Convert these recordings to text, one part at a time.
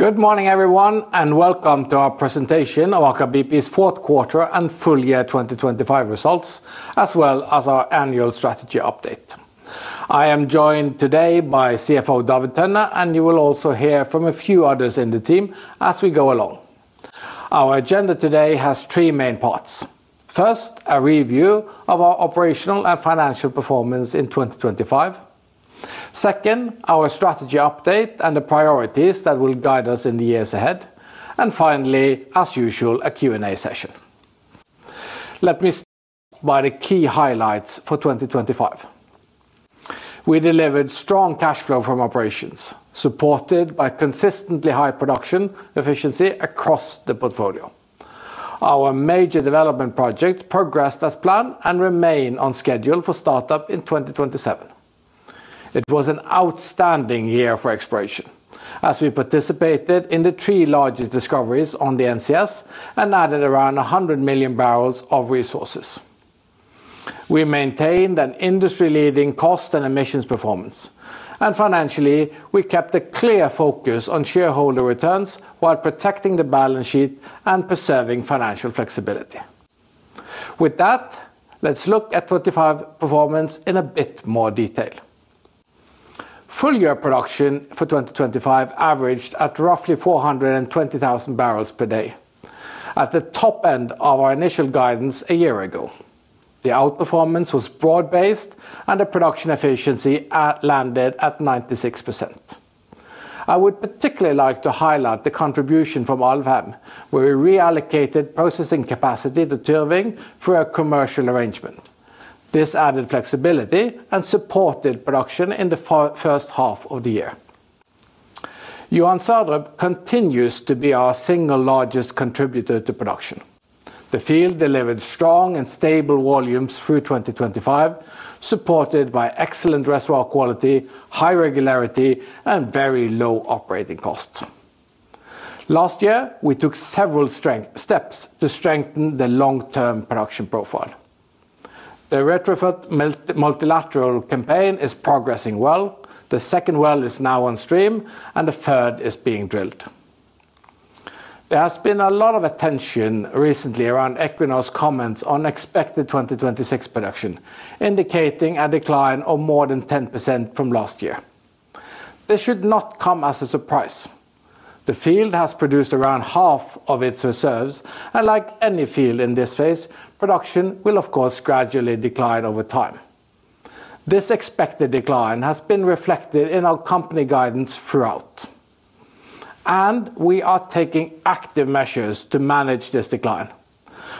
Good morning everyone and welcome to our presentation of Aker BP's fourth quarter and full year 2025 results as well as our annual strategy update. I am joined today by CFO David Tønne and you will also hear from a few others in the team as we go along. Our agenda today has three main parts. First, a review of our operational and financial performance in 2025. Second, our strategy update and the priorities that will guide us in the years ahead. Finally, as usual, a Q&A session. Let me start by the key highlights for 2025. We delivered strong cash flow from operations supported by consistently high production efficiency across the portfolio. Our major development project progressed as planned and remained on schedule for startup in 2027. It was an outstanding year for exploration as we participated in the three largest discoveries on the NCS and added around 100 million bbl of resources. We maintained an industry-leading cost and emissions performance and financially we kept a clear focus on shareholder returns while protecting the balance sheet and preserving financial flexibility. With that, let's look at 2025 performance in a bit more detail. Full year production for 2025 averaged at roughly 420,000 bbl per day at the top end of our initial guidance a year ago. The outperformance was broad-based and the production efficiency landed at 96%. I would particularly like to highlight the contribution from Alvheim where we reallocated processing capacity to Tyrving through a commercial arrangement. This added flexibility and supported production in the first half of the year. Johan Sverdrup continues to be our single largest contributor to production. The field delivered strong and stable volumes through 2025 supported by excellent reservoir quality, high regularity, and very low operating costs. Last year we took several steps to strengthen the long-term production profile. The retrofit multilateral campaign is progressing well. The second well is now on stream and the third is being drilled. There has been a lot of attention recently around Equinor's comments on expected 2026 production indicating a decline of more than 10% from last year. This should not come as a surprise. The field has produced around half of its reserves and like any field in this phase production will of course gradually decline over time. This expected decline has been reflected in our company guidance throughout and we are taking active measures to manage this decline.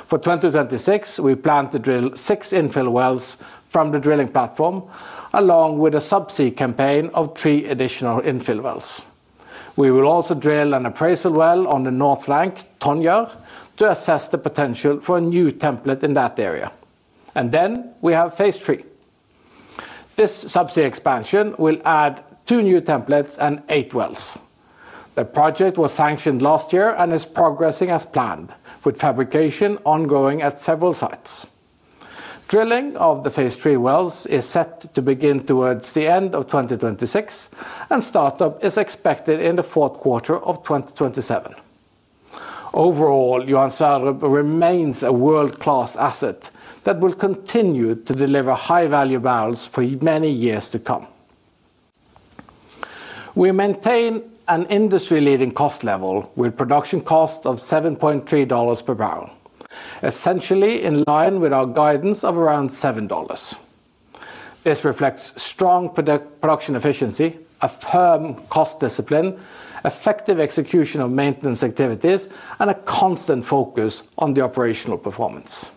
For 2026 we plan to drill six infill wells from the drilling platform along with a subsea campaign of three additional infill wells. We will also drill an appraisal well on the north flank Tonjer to assess the potential for a new template in that area and then we have phase three. This subsea expansion will add two new templates and eight wells. The project was sanctioned last year and is progressing as planned with fabrication ongoing at several sites. Drilling of the phase three wells is set to begin towards the end of 2026 and startup is expected in the fourth quarter of 2027. Overall, Johan Sverdrup remains a world-class asset that will continue to deliver high-value barrels for many years to come. We maintain an industry-leading cost level with production cost of $7.3 per barrel essentially in line with our guidance of around $7. This reflects strong production efficiency, a firm cost discipline, effective execution of maintenance activities, and a constant focus on the operational performance.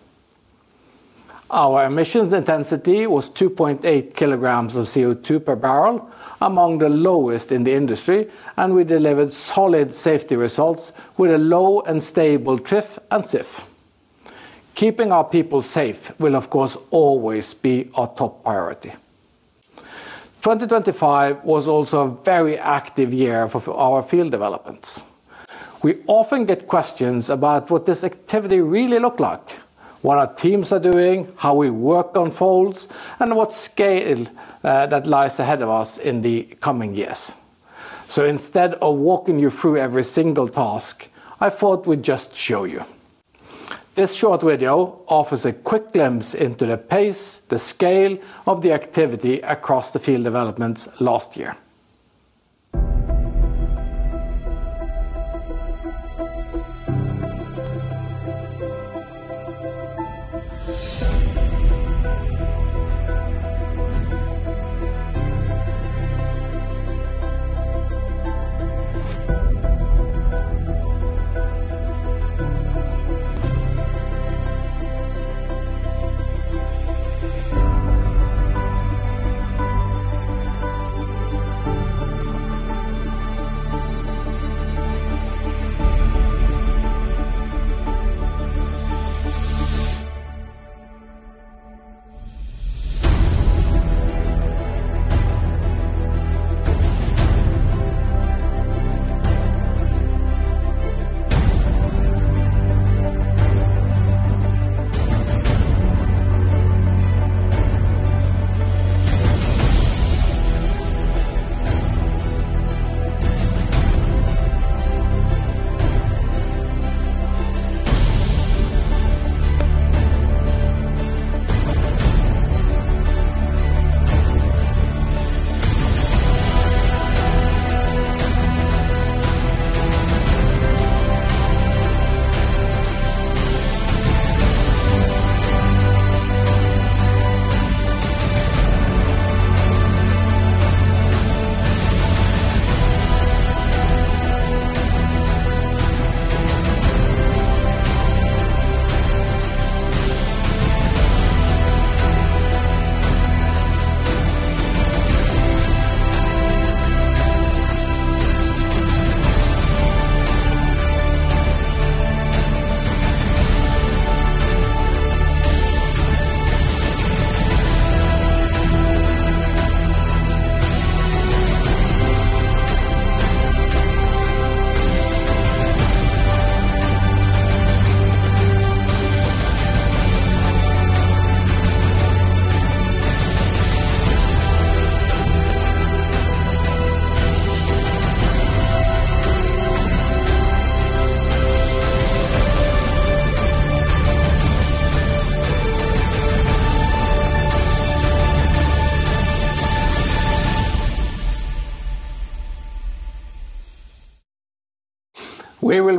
Our emissions intensity was 2.8 kg of CO2 per barrel among the lowest in the industry. We delivered solid safety results with a low and stable TRIF and SIF. Keeping our people safe will of course always be our top priority. 2025 was also a very active year for our field developments. We often get questions about what this activity really looked like, what our teams are doing, how we work on fields, and what scale that lies ahead of us in the coming years. So instead of walking you through every single task I thought we'd just show you. This short video offers a quick glimpse into the pace, the scale of the activity across the field developments last year.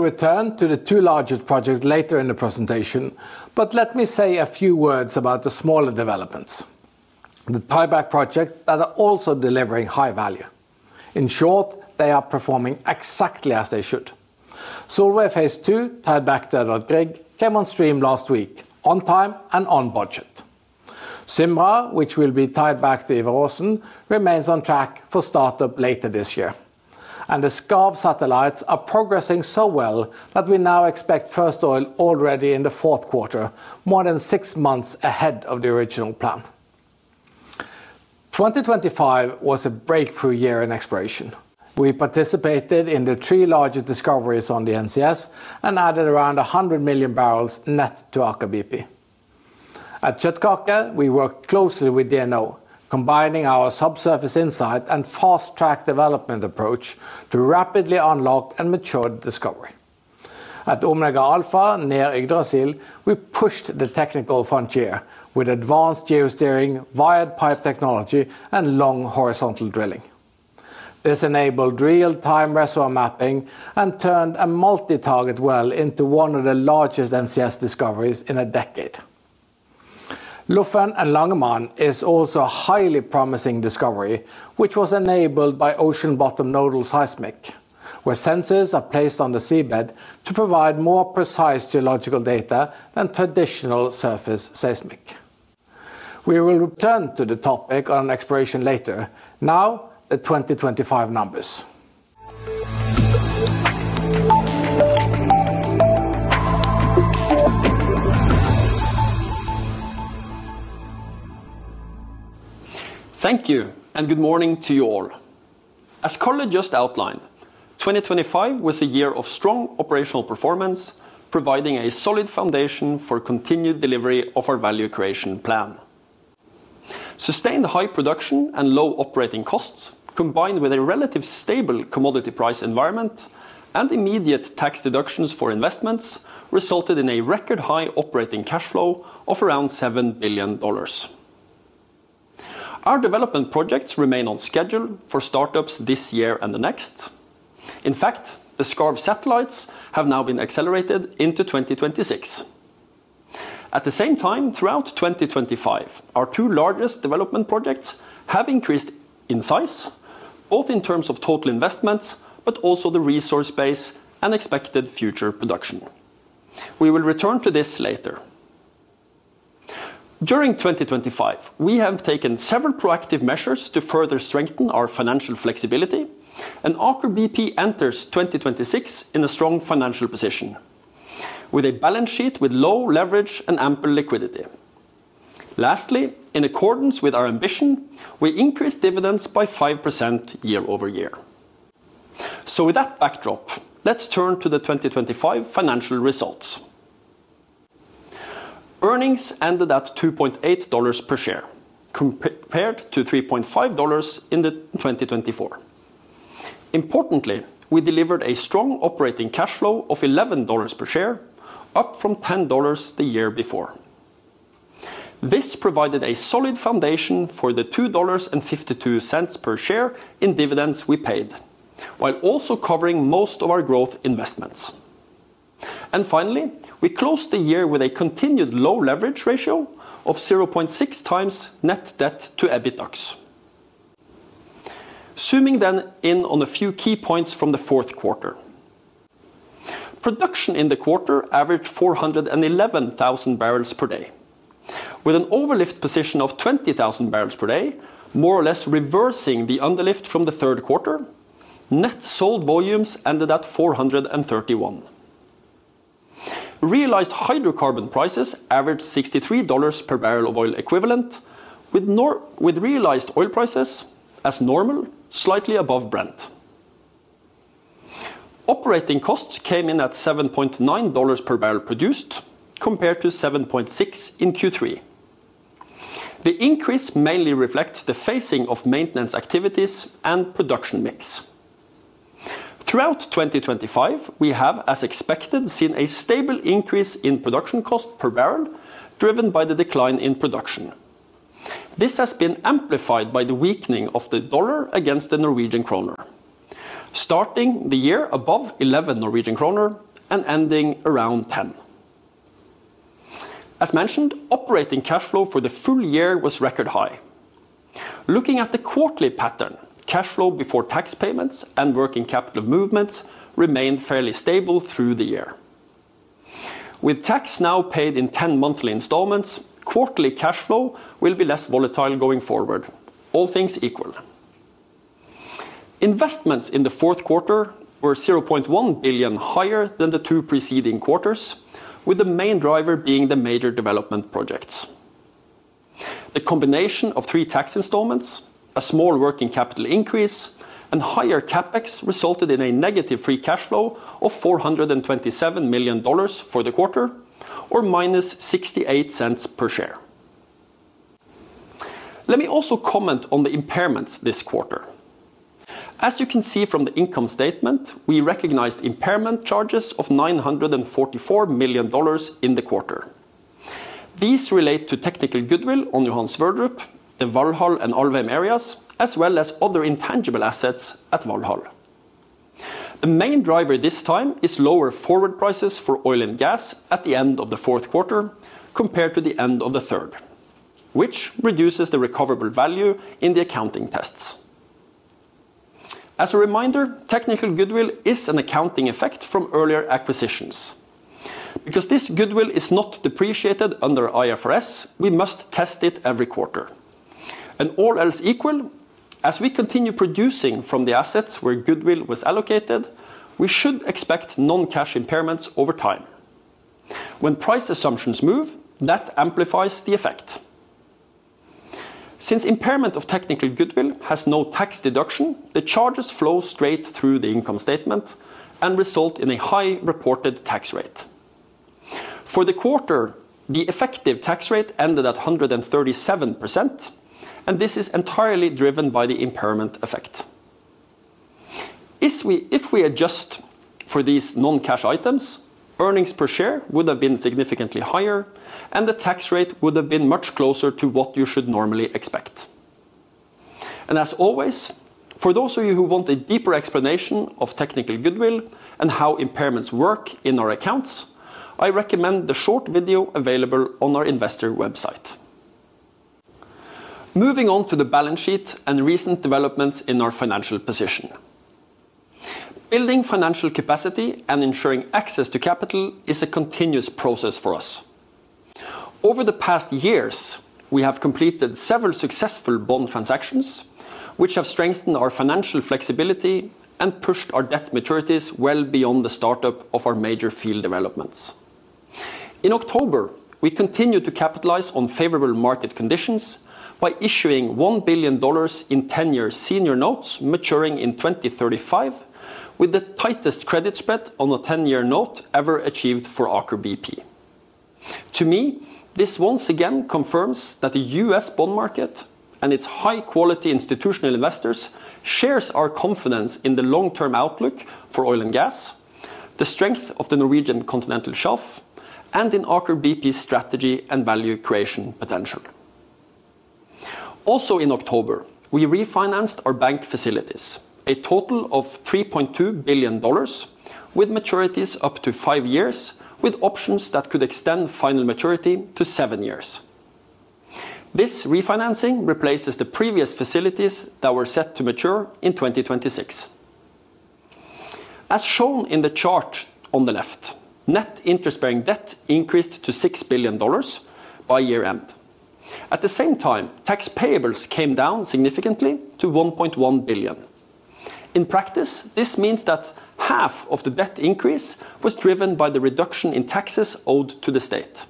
We will return to the two largest projects later in the presentation, but let me say a few words about the smaller developments. The tieback projects that are also delivering high value. In short, they are performing exactly as they should. Solveig Phase 2 tied back to Edvard Grieg came on stream last week on time and on budget. Symra, which will be tied back to Ivar Aasen, remains on track for startup later this year, and the Skarv satellites are progressing so well that we now expect first oil already in the fourth quarter more than six months ahead of the original plan. 2025 was a breakthrough year in exploration. We participated in the three largest discoveries on the NCS and added around 100 million bbl net to Aker BP. At Kjøttkake we worked closely with DNO combining our subsurface insight and fast-track development approach to rapidly unlock and mature the discovery. At Omega Alfa near Yggdrasil we pushed the technical frontier with advanced geosteering wired pipe technology and long horizontal drilling. This enabled real-time reservoir mapping and turned a multi-target well into one of the largest NCS discoveries in a decade. Lofn and Langemann is also a highly promising discovery which was enabled by ocean bottom node seismic where sensors are placed on the seabed to provide more precise geological data than traditional surface seismic. We will return to the topic on an exploration later. Now the 2025 numbers. Thank you and good morning to you all. As Karl just outlined, 2025 was a year of strong operational performance providing a solid foundation for continued delivery of our value creation plan. Sustained high production and low operating costs combined with a relatively stable commodity price environment and immediate tax deductions for investments resulted in a record high operating cash flow of around $7 billion. Our development projects remain on schedule for startups this year and the next. In fact, the Skarv satellites have now been accelerated into 2026. At the same time, throughout 2025 our two largest development projects have increased in size both in terms of total investments but also the resource base and expected future production. We will return to this later. During 2025 we have taken several proactive measures to further strengthen our financial flexibility and Aker BP enters 2026 in a strong financial position with a balance sheet with low leverage and ample liquidity. Lastly in accordance with our ambition we increased dividends by 5% year-over-year. So with that backdrop let's turn to the 2025 financial results. Earnings ended at $2.8 per share compared to $3.5 in 2024. Importantly we delivered a strong operating cash flow of $11 per share up from $10 the year before. This provided a solid foundation for the $2.52 per share in dividends we paid while also covering most of our growth investments. And finally we closed the year with a continued low leverage ratio of 0.6x net debt to EBITDAX. Zooming then in on a few key points from the fourth quarter. Production in the quarter averaged 411,000 bbl per day. With an overlift position of 20,000 bbl per day, more or less reversing the underlift from the third quarter, net sold volumes ended at 431,000 bbl. Realized hydrocarbon prices averaged $63 per barrel of oil equivalent, with realized oil prices as normal slightly above Brent. Operating costs came in at $7.9 per barrel produced compared to $7.6 in Q3. The increase mainly reflects the phasing of maintenance activities and production mix. Throughout 2025, we have as expected seen a stable increase in production cost per barrel driven by the decline in production. This has been amplified by the weakening of the dollar against the Norwegian kroner. Starting the year above 11 Norwegian kroner and ending around 10. As mentioned, operating cash flow for the full year was record high. Looking at the quarterly pattern, cash flow before tax payments and working capital movements remained fairly stable through the year. With tax now paid in 10 monthly installments, quarterly cash flow will be less volatile going forward all things equal. Investments in the fourth quarter were $0.1 billion higher than the two preceding quarters, with the main driver being the major development projects. The combination of three tax installments, a small working capital increase, and higher CapEx resulted in a negative free cash flow of $427 million for the quarter or -$0.68 per share. Let me also comment on the impairments this quarter. As you can see from the income statement, we recognized impairment charges of $944 million in the quarter. These relate to technical goodwill on Johan Sverdrup, the Valhall and Alvheim areas as well as other intangible assets at Valhall. The main driver this time is lower forward prices for oil and gas at the end of the fourth quarter compared to the end of the third, which reduces the recoverable value in the accounting tests. As a reminder, technical goodwill is an accounting effect from earlier acquisitions. Because this goodwill is not depreciated under IFRS, we must test it every quarter. And all else equal, as we continue producing from the assets where goodwill was allocated, we should expect non-cash impairments over time. When price assumptions move, that amplifies the effect. Since impairment of technical goodwill has no tax deduction, the charges flow straight through the income statement and result in a high reported tax rate. For the quarter, the effective tax rate ended at 137%, and this is entirely driven by the impairment effect. If we adjust for these non-cash items, earnings per share would have been significantly higher and the tax rate would have been much closer to what you should normally expect. And as always, for those of you who want a deeper explanation of technical goodwill and how impairments work in our accounts, I recommend the short video available on our investor website. Moving on to the balance sheet and recent developments in our financial position. Building financial capacity and ensuring access to capital is a continuous process for us. Over the past years, we have completed several successful bond transactions which have strengthened our financial flexibility and pushed our debt maturities well beyond the startup of our major field developments. In October we continue to capitalize on favorable market conditions by issuing $1 billion in 10-year senior notes maturing in 2035 with the tightest credit spread on a 10-year note ever achieved for Aker BP. To me this once again confirms that the U.S. bond market and its high-quality institutional investors shares our confidence in the long-term outlook for oil and gas, the strength of the Norwegian Continental Shelf, and in Aker BP's strategy and value creation potential. Also in October we refinanced our bank facilities a total of $3.2 billion with maturities up to five years with options that could extend final maturity to seven years. This refinancing replaces the previous facilities that were set to mature in 2026. As shown in the chart on the left net interest bearing debt increased to $6 billion by year-end. At the same time tax payables came down significantly to $1.1 billion. In practice this means that half of the debt increase was driven by the reduction in taxes owed to the state.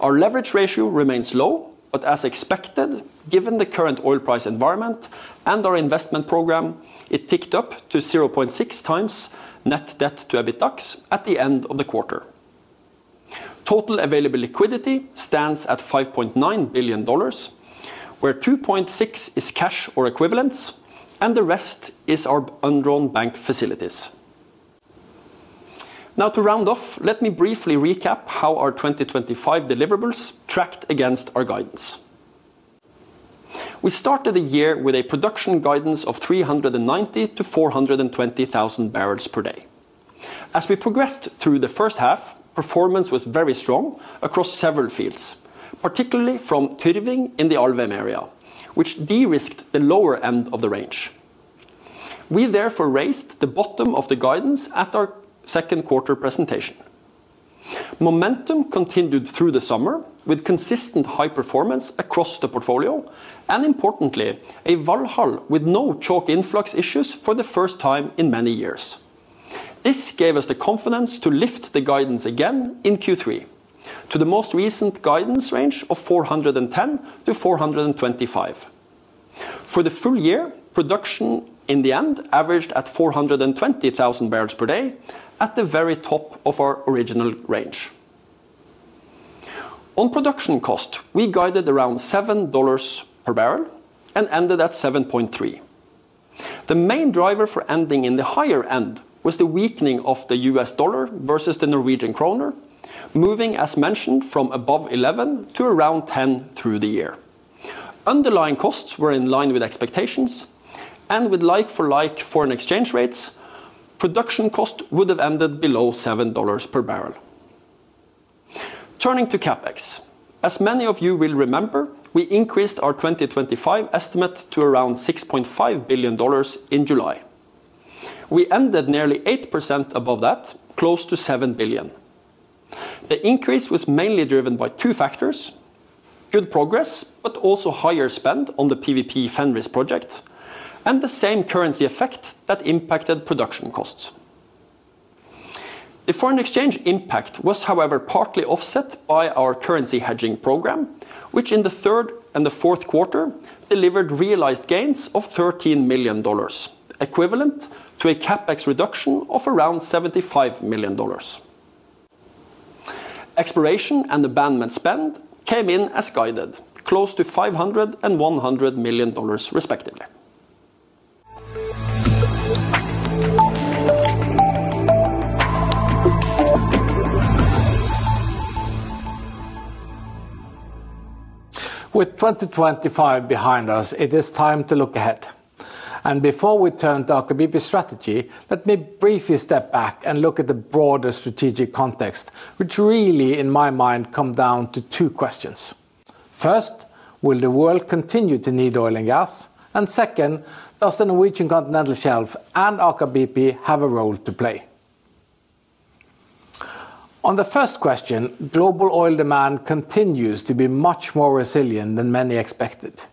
Our leverage ratio remains low but as expected given the current oil price environment and our investment program it ticked up to 0.6x net debt to EBITDAX at the end of the quarter. Total available liquidity stands at $5.9 billion where $2.6 billion is cash or equivalents and the rest is our undrawn bank facilities. Now to round off let me briefly recap how our 2025 deliverables tracked against our guidance. We started the year with a production guidance of 390,000-420,000 bbl per day. As we progressed through the first half performance was very strong across several fields particularly from Tyrving in the Alvheim area which de-risked the lower end of the range. We therefore raised the bottom of the guidance at our second quarter presentation. Momentum continued through the summer with consistent high performance across the portfolio and importantly a Valhall with no chalk influx issues for the first time in many years. This gave us the confidence to lift the guidance again in Q3 to the most recent guidance range of 410,000-425,000 bbl. For the full year production in the end averaged at 420,000 bbl per day at the very top of our original range. On production cost we guided around $7 per barrel and ended at $7.3. The main driver for ending in the higher end was the weakening of the U.S. dollar versus the Norwegian kroner moving as mentioned from above 11 to around 10 through the year. Underlying costs were in line with expectations and with like-for-like foreign exchange rates production cost would have ended below $7 per barrel. Turning to CapEx. As many of you will remember, we increased our 2025 estimate to around $6.5 billion in July. We ended nearly 8% above that, close to $7 billion. The increase was mainly driven by two factors: good progress but also higher spend on the PWP-Fenris project and the same currency effect that impacted production costs. The foreign exchange impact was however partly offset by our currency hedging program, which in the third and the fourth quarter delivered realized gains of $13 million, equivalent to a CapEx reduction of around $75 million. Exploration and abandonment spend came in as guided, close to $500,000 and $100,000,000 respectively. With 2025 behind us, it is time to look ahead. Before we turn to Aker BP strategy, let me briefly step back and look at the broader strategic context, which really in my mind come down to two questions. First, will the world continue to need oil and gas, and second, does the Norwegian Continental Shelf and Aker BP have a role to play? On the first question, global oil demand continues to be much more resilient than many expected.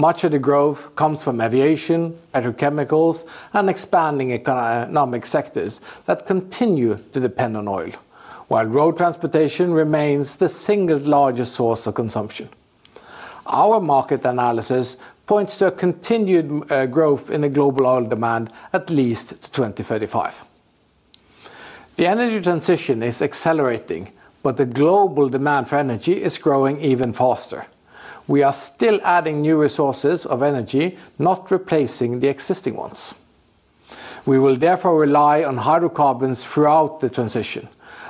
Much of the growth comes from aviation, petrochemicals, and expanding economic sectors that continue to depend on oil, while road transportation remains the single largest source of consumption. Our market analysis points to a continued growth in the global oil demand at least to 2035. The energy transition is accelerating, but the global demand for energy is growing even faster. We are still adding new resources of energy, not replacing the existing ones. We will therefore rely on hydrocarbons throughout the transition,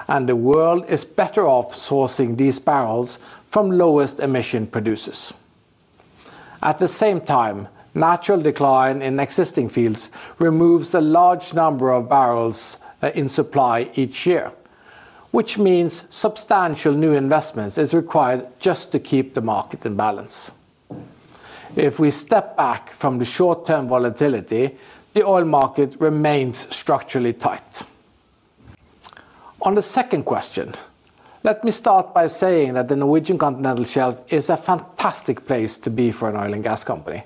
and the world is better off sourcing these barrels from lowest emission producers. At the same time, natural decline in existing fields removes a large number of barrels in supply each year, which means substantial new investments are required just to keep the market in balance. If we step back from the short-term volatility, the oil market remains structurally tight. On the second question, let me start by saying that the Norwegian Continental Shelf is a fantastic place to be for an oil and gas company.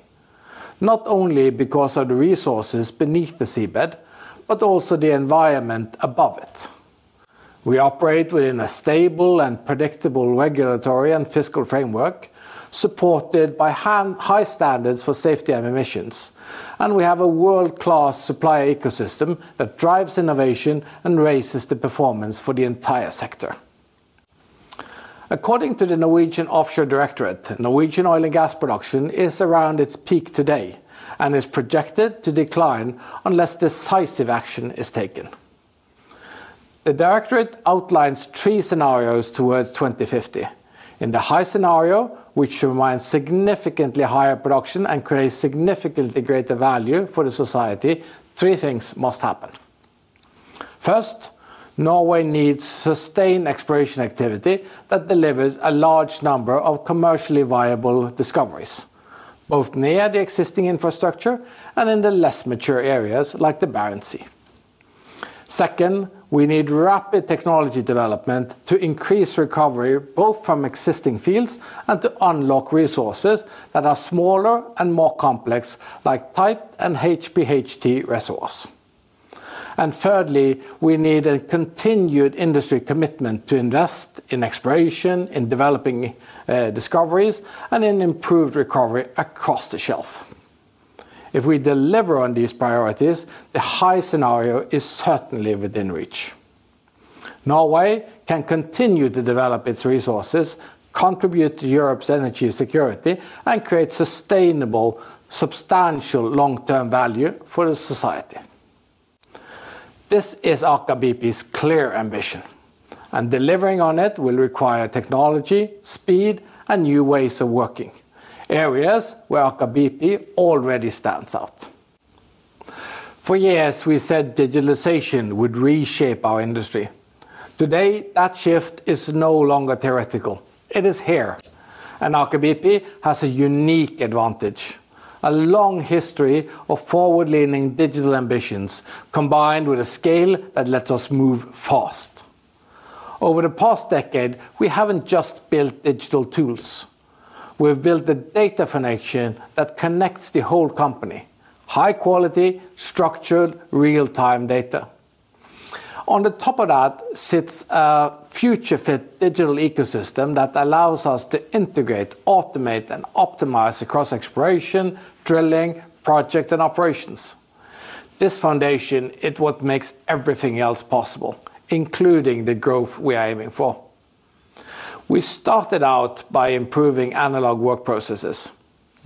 Not only because of the resources beneath the seabed, but also the environment above it. We operate within a stable and predictable regulatory and fiscal framework supported by high standards for safety and emissions, and we have a world-class supplier ecosystem that drives innovation and raises the performance for the entire sector. According to the Norwegian Offshore Directorate, Norwegian oil and gas production is around its peak today and is projected to decline unless decisive action is taken. The directorate outlines three scenarios toward 2050. In the high scenario, which should remain significantly higher production and create significantly greater value for the society, three things must happen. First, Norway needs sustained exploration activity that delivers a large number of commercially viable discoveries both near the existing infrastructure and in the less mature areas like the Barents Sea. Second, we need rapid technology development to increase recovery both from existing fields and to unlock resources that are smaller and more complex like tight and HPHT resource. And thirdly, we need a continued industry commitment to invest in exploration, in developing discoveries, and in improved recovery across the shelf. If we deliver on these priorities, the high scenario is certainly within reach. Norway can continue to develop its resources, contribute to Europe's energy security, and create sustainable substantial long-term value for the society. This is Aker BP's clear ambition and delivering on it will require technology, speed, and new ways of working areas where Aker BP already stands out. For years we said digitalization would reshape our industry. Today that shift is no longer theoretical. It is here. And Aker BP has a unique advantage: a long history of forward-leaning digital ambitions combined with a scale that lets us move fast. Over the past decade we haven't just built digital tools. We've built a data connection that connects the whole company: high-quality, structured, real-time data. On the top of that sits a future-fit digital ecosystem that allows us to integrate, automate, and optimize across exploration, drilling, project, and operations. This foundation is what makes everything else possible, including the growth we are aiming for. We started out by improving analog work processes.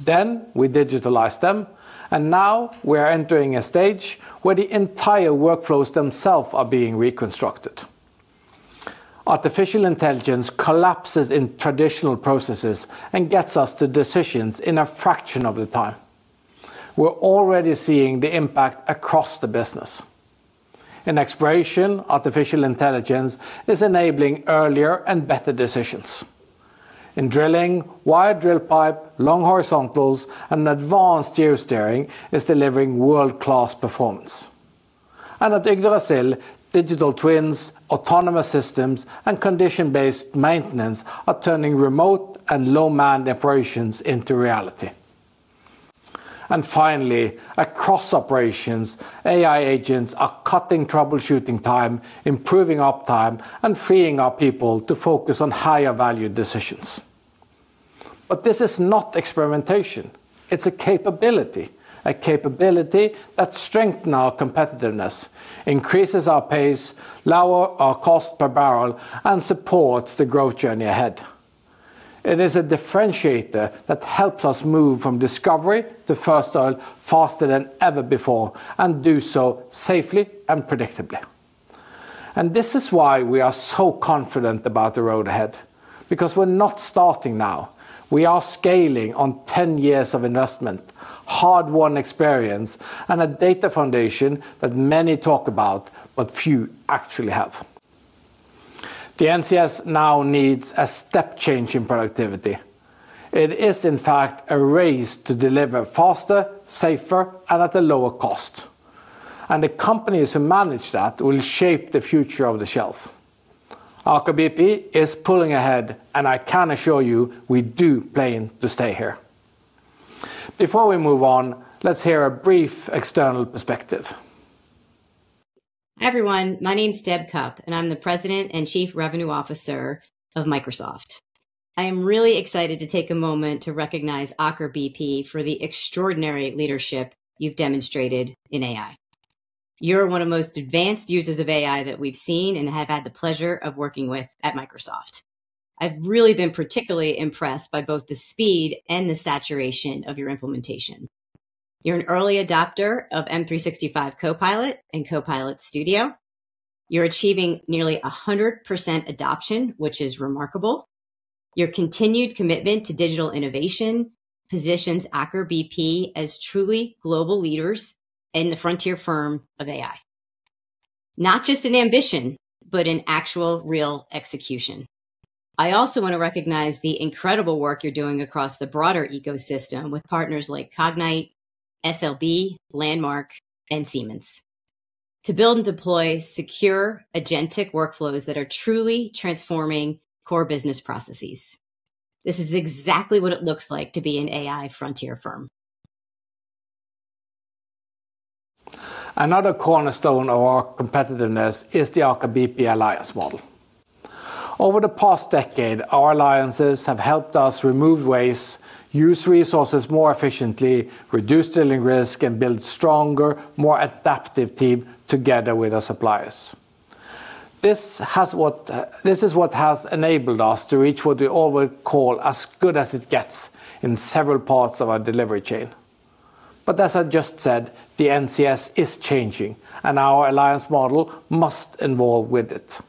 Then we digitized them. And now we are entering a stage where the entire workflows themselves are being reconstructed. Artificial intelligence collapses time in traditional processes and gets us to decisions in a fraction of the time. We're already seeing the impact across the business. In exploration, artificial intelligence is enabling earlier and better decisions. In drilling, wired drill pipe, long horizontals, and advanced geosteering is delivering world-class performance. And at Yggdrasil, digital twins, autonomous systems, and condition-based maintenance are turning remote and low-manned operations into reality. And finally, across operations, AI agents are cutting troubleshooting time, improving uptime, and freeing our people to focus on higher-value decisions. But this is not experimentation. It's a capability. A capability that strengthens our competitiveness, increases our pace, lowers our cost per barrel, and supports the growth journey ahead. It is a differentiator that helps us move from discovery to first oil faster than ever before and do so safely and predictably. And this is why we are so confident about the road ahead because we're not starting now. We are scaling on 10 years of investment, hard-won experience, and a data foundation that many talk about but few actually have. The NCS now needs a step change in productivity. It is in fact a race to deliver faster, safer, and at a lower cost. And the companies who manage that will shape the future of the shelf. Aker BP is pulling ahead and I can assure you we do plan to stay here. Before we move on, let's hear a brief external perspective. Hi everyone. My name's Deb Cupp and I'm the President and Chief Revenue Officer of Microsoft. I am really excited to take a moment to recognize Aker BP for the extraordinary leadership you've demonstrated in AI. You're one of the most advanced users of AI that we've seen and have had the pleasure of working with at Microsoft. I've really been particularly impressed by both the speed and the saturation of your implementation. You're an early adopter of M365 Copilot and Copilot Studio. You're achieving nearly 100% adoption which is remarkable. Your continued commitment to digital innovation positions Aker BP as truly global leaders and the frontier firm of AI. Not just an ambition but an actual real execution. I also want to recognize the incredible work you're doing across the broader ecosystem with partners like Cognite, SLB, Landmark, and Siemens. To build and deploy secure agentic workflows that are truly transforming core business processes. This is exactly what it looks like to be an AI frontier firm. Another cornerstone of our competitiveness is the Aker BP Alliance model. Over the past decade our alliances have helped us remove waste, use resources more efficiently, reduce drilling risk, and build stronger, more adaptive teams together with our suppliers. This is what has enabled us to reach what we all call as good as it gets in several parts of our delivery chain. But as I just said the NCS is changing and our alliance model must evolve with it.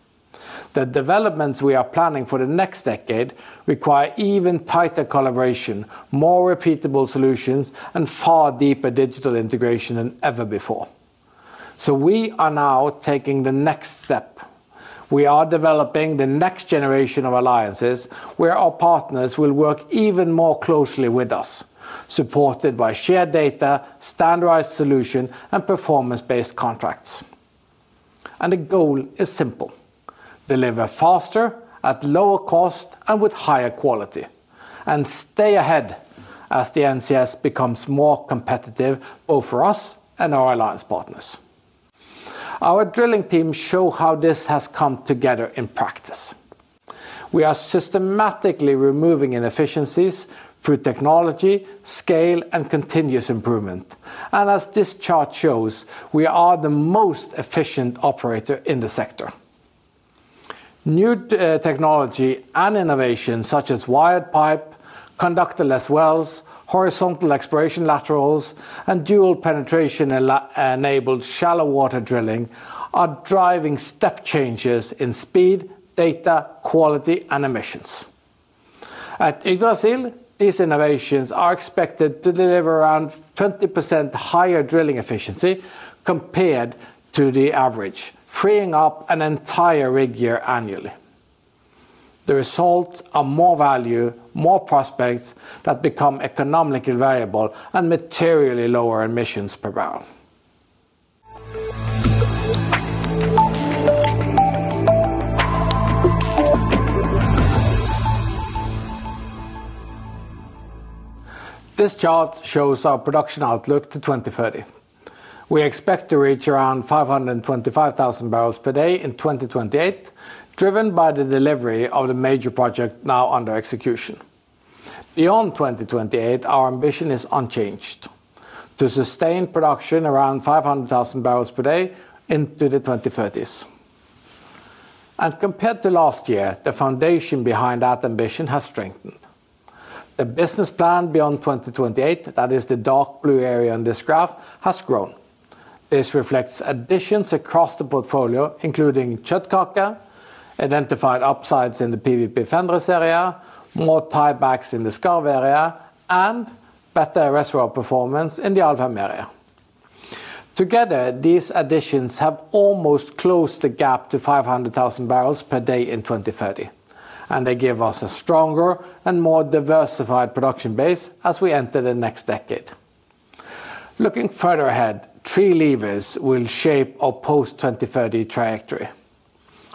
The developments we are planning for the next decade require even tighter collaboration, more repeatable solutions, and far deeper digital integration than ever before. So we are now taking the next step. We are developing the next generation of alliances where our partners will work even more closely with us supported by shared data, standardized solution, and performance-based contracts. The goal is simple: deliver faster at lower cost and with higher quality. Stay ahead as the NCS becomes more competitive both for us and our alliance partners. Our drilling teams show how this has come together in practice. We are systematically removing inefficiencies through technology scale and continuous improvement and as this chart shows we are the most efficient operator in the sector. New technology and innovation such as wired pipe conductorless wells horizontal exploration laterals and dual penetration enabled shallow water drilling are driving step changes in speed data quality and emissions. At Yggdrasil these innovations are expected to deliver around 20% higher drilling efficiency compared to the average freeing up an entire rig year annually. The results are more value more prospects that become economically viable and materially lower emissions per barrel. This chart shows our production outlook to 2030. We expect to reach around 525,000 bbl per day in 2028 driven by the delivery of the major project now under execution. Beyond 2028 our ambition is unchanged: to sustain production around 500,000 bbl per day into the 2030s. Compared to last year the foundation behind that ambition has strengthened. The business plan beyond 2028 that is the dark blue area in this graph has grown. This reflects additions across the portfolio including Kjøttkake identified upsides in the PWP-Fenris area more tie backs in the Skarv area and better reservoir performance in the Alvheim area. Together these additions have almost closed the gap to 500,000 bbl per day in 2030. They give us a stronger and more diversified production base as we enter the next decade. Looking further ahead three levers will shape our post-2030 trajectory.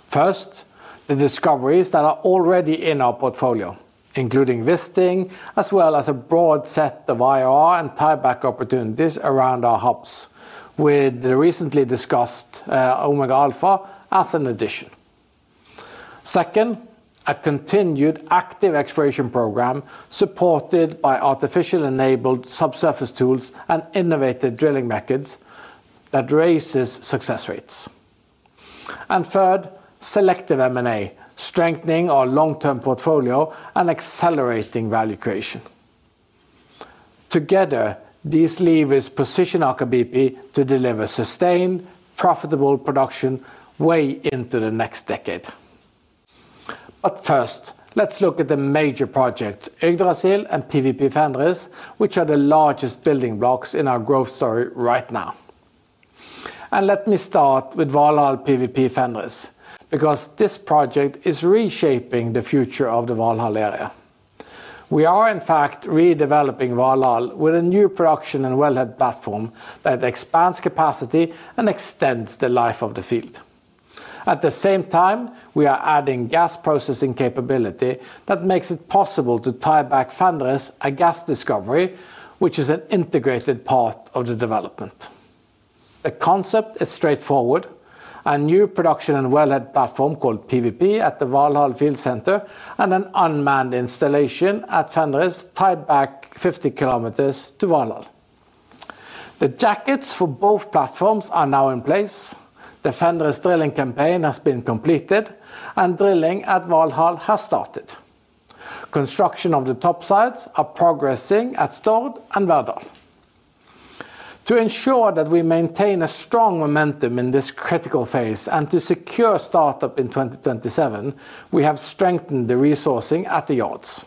First, the discoveries that are already in our portfolio, including Wisting, as well as a broad set of IRR and tie-back opportunities around our hubs, with the recently discussed Omega Alfa as an addition. Second, a continued active exploration program supported by AI-enabled subsurface tools and innovative drilling methods that raise success rates. And third, selective M&A strengthening our long-term portfolio and accelerating value creation. Together, these levers position Aker BP to deliver sustained profitable production way into the next decade. But first, let's look at the major project Yggdrasil and PWP-Fenris, which are the largest building blocks in our growth story right now. And let me start with Valhall PWP-Fenris because this project is reshaping the future of the Valhall area. We are in fact redeveloping Valhall with a new production and wellhead platform that expands capacity and extends the life of the field. At the same time we are adding gas processing capability that makes it possible to tie back Fenris, a gas discovery which is an integrated part of the development. The concept is straightforward: a new production and wellhead platform called PWP at the Valhall Field Centre and an unmanned installation at Fenris tied back 50 km to Valhall. The jackets for both platforms are now in place. The Fenris drilling campaign has been completed and drilling at Valhall has started. Construction of the topsides are progressing at Stord and Verdal. To ensure that we maintain a strong momentum in this critical phase and to secure startup in 2027 we have strengthened the resourcing at the yards.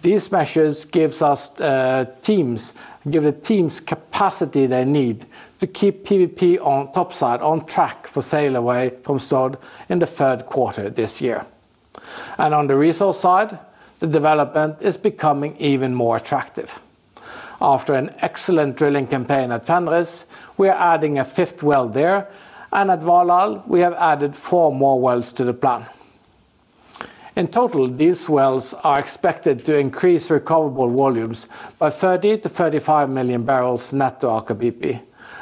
These measures give the teams capacity they need to keep PWP topside on track for sail away from Stord in the third quarter this year. On the resource side the development is becoming even more attractive. After an excellent drilling campaign at Fenris we are adding a fifth well there and at Valhall we have added four more wells to the plan. In total these wells are expected to increase recoverable volumes by 30-35 million bbl net to Aker BP,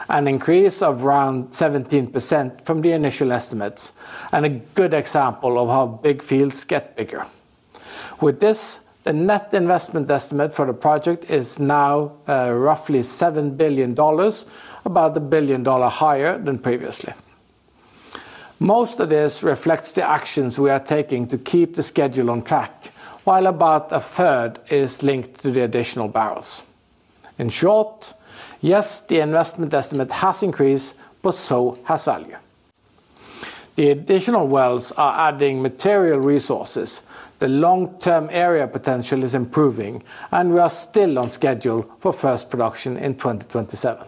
an increase of around 17% from the initial estimates and a good example of how big fields get bigger. With this the net investment estimate for the project is now roughly $7 billion, about $1 billion higher than previously. Most of this reflects the actions we are taking to keep the schedule on track while about a third is linked to the additional barrels. In short, yes the investment estimate has increased but so has value. The additional wells are adding material resources, the long-term area potential is improving, and we are still on schedule for first production in 2027.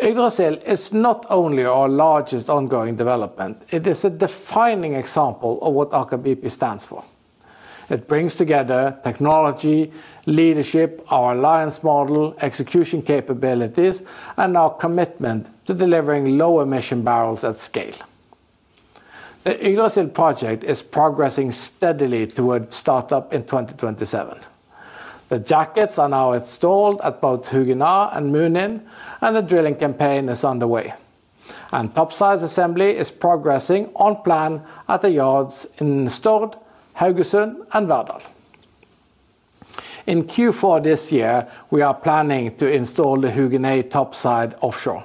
Yggdrasil is not only our largest ongoing development, it is a defining example of what Aker BP stands for. It brings together technology leadership, our alliance model, execution capabilities, and our commitment to delivering low emission barrels at scale. The Yggdrasil project is progressing steadily toward startup in 2027. The jackets are now installed at both Hugin A and Munin, and the drilling campaign is underway. Topside assembly is progressing on plan at the yards in Stord, Haugesund, and Verdal. In Q4 this year, we are planning to install the Hugin A topside offshore,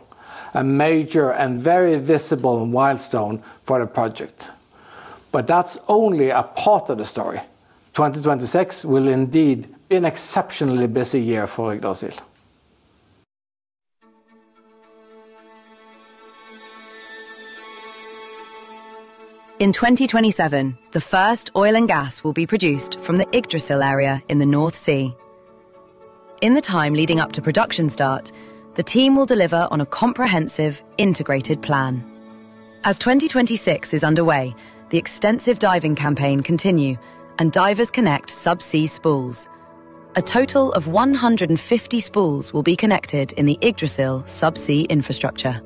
a major and very visible milestone for the project. But that's only a part of the story. 2026 will indeed be an exceptionally busy year for Yggdrasil. In 2027 the first oil and gas will be produced from the Yggdrasil area in the North Sea. In the time leading up to production start the team will deliver on a comprehensive integrated plan. As 2026 is underway the extensive diving campaign continue and divers connect subsea spools. A total of 150 spools will be connected in the Yggdrasil subsea infrastructure.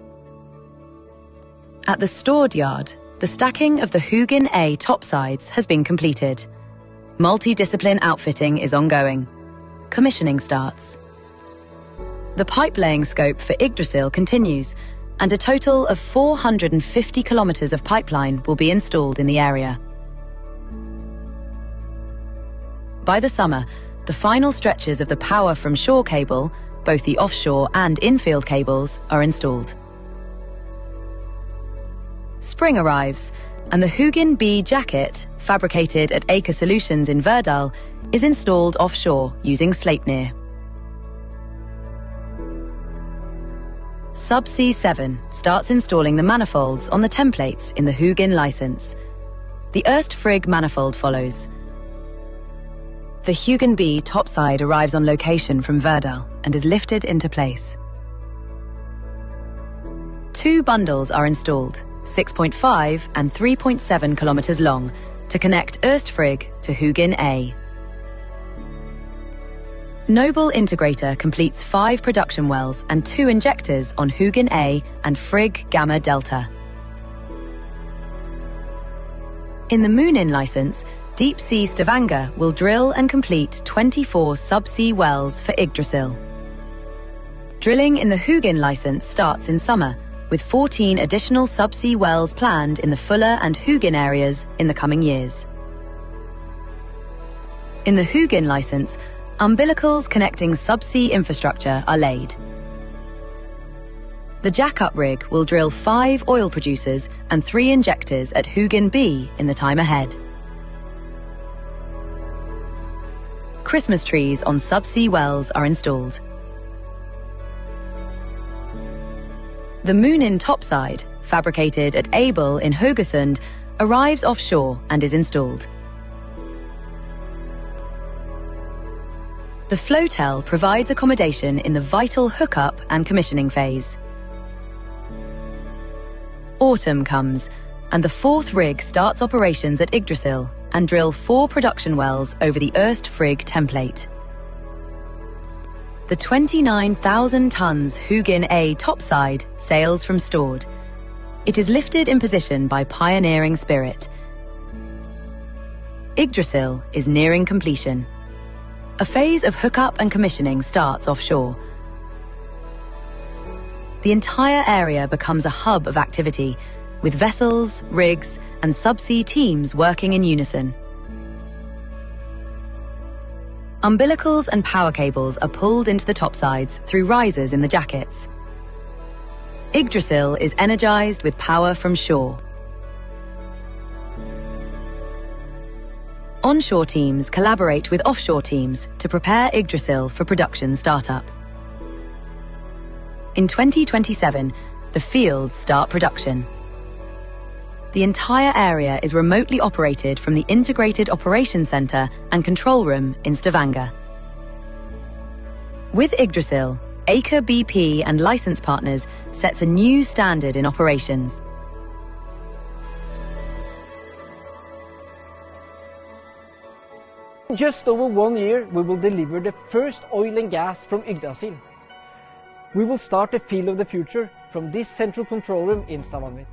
At the Stord yard the stacking of the Hugin A topsides has been completed. Multidiscipline outfitting is ongoing. Commissioning starts. The pipe laying scope for Yggdrasil continues and a total of 450 km of pipeline will be installed in the area. By the summer the final stretches of the power from shore cable both the offshore and infield cables are installed. Spring arrives and the Hugin B jacket fabricated at Aker Solutions in Verdal is installed offshore using Sleipnir. Subsea 7 starts installing the manifolds on the templates in the Hugin license. The Øst Frigg manifold follows. The Hugin B topside arrives on location from Verdal and is lifted into place. Two bundles are installed 6.5 km and 3.7 km long to connect Øst Frigg to Hugin A. Noble Integrator completes five production wells and two injectors on Hugin A and Frigg Gamma Delta. In the Munin license Deepsea Stavanger will drill and complete 24 subsea wells for Yggdrasil. Drilling in the Hugin license starts in summer with 14 additional subsea wells planned in the Fulla and Hugin areas in the coming years. In the Hugin license umbilicals connecting subsea infrastructure are laid. The jackup rig will drill five oil producers and three injectors at Hugin B in the time ahead. Christmas trees on subsea wells are installed. The Munin topside fabricated at Aibel in Haugesund arrives offshore and is installed. The floatel provides accommodation in the vital hookup and commissioning phase. Autumn comes and the fourth rig starts operations at Yggdrasil and drill four production wells over the Øst Frigg template. The 29,000 tons Hugin A topside sails from Stord. It is lifted in position by Pioneering Spirit. Yggdrasil is nearing completion. A phase of hookup and commissioning starts offshore. The entire area becomes a hub of activity with vessels, rigs, and subsea teams working in unison. Umbilicals and power cables are pulled into the topsides through risers in the jackets. Yggdrasil is energized with power from shore. Onshore teams collaborate with offshore teams to prepare Yggdrasil for production startup. In 2027 the fields start production. The entire area is remotely operated from the integrated operations center and control room in Stavanger. With Yggdrasil Aker BP and license partners sets a new standard in operations. In just over one year we will deliver the first oil and gas from Yggdrasil. We will start the field of the future from this central control room in Stavanger.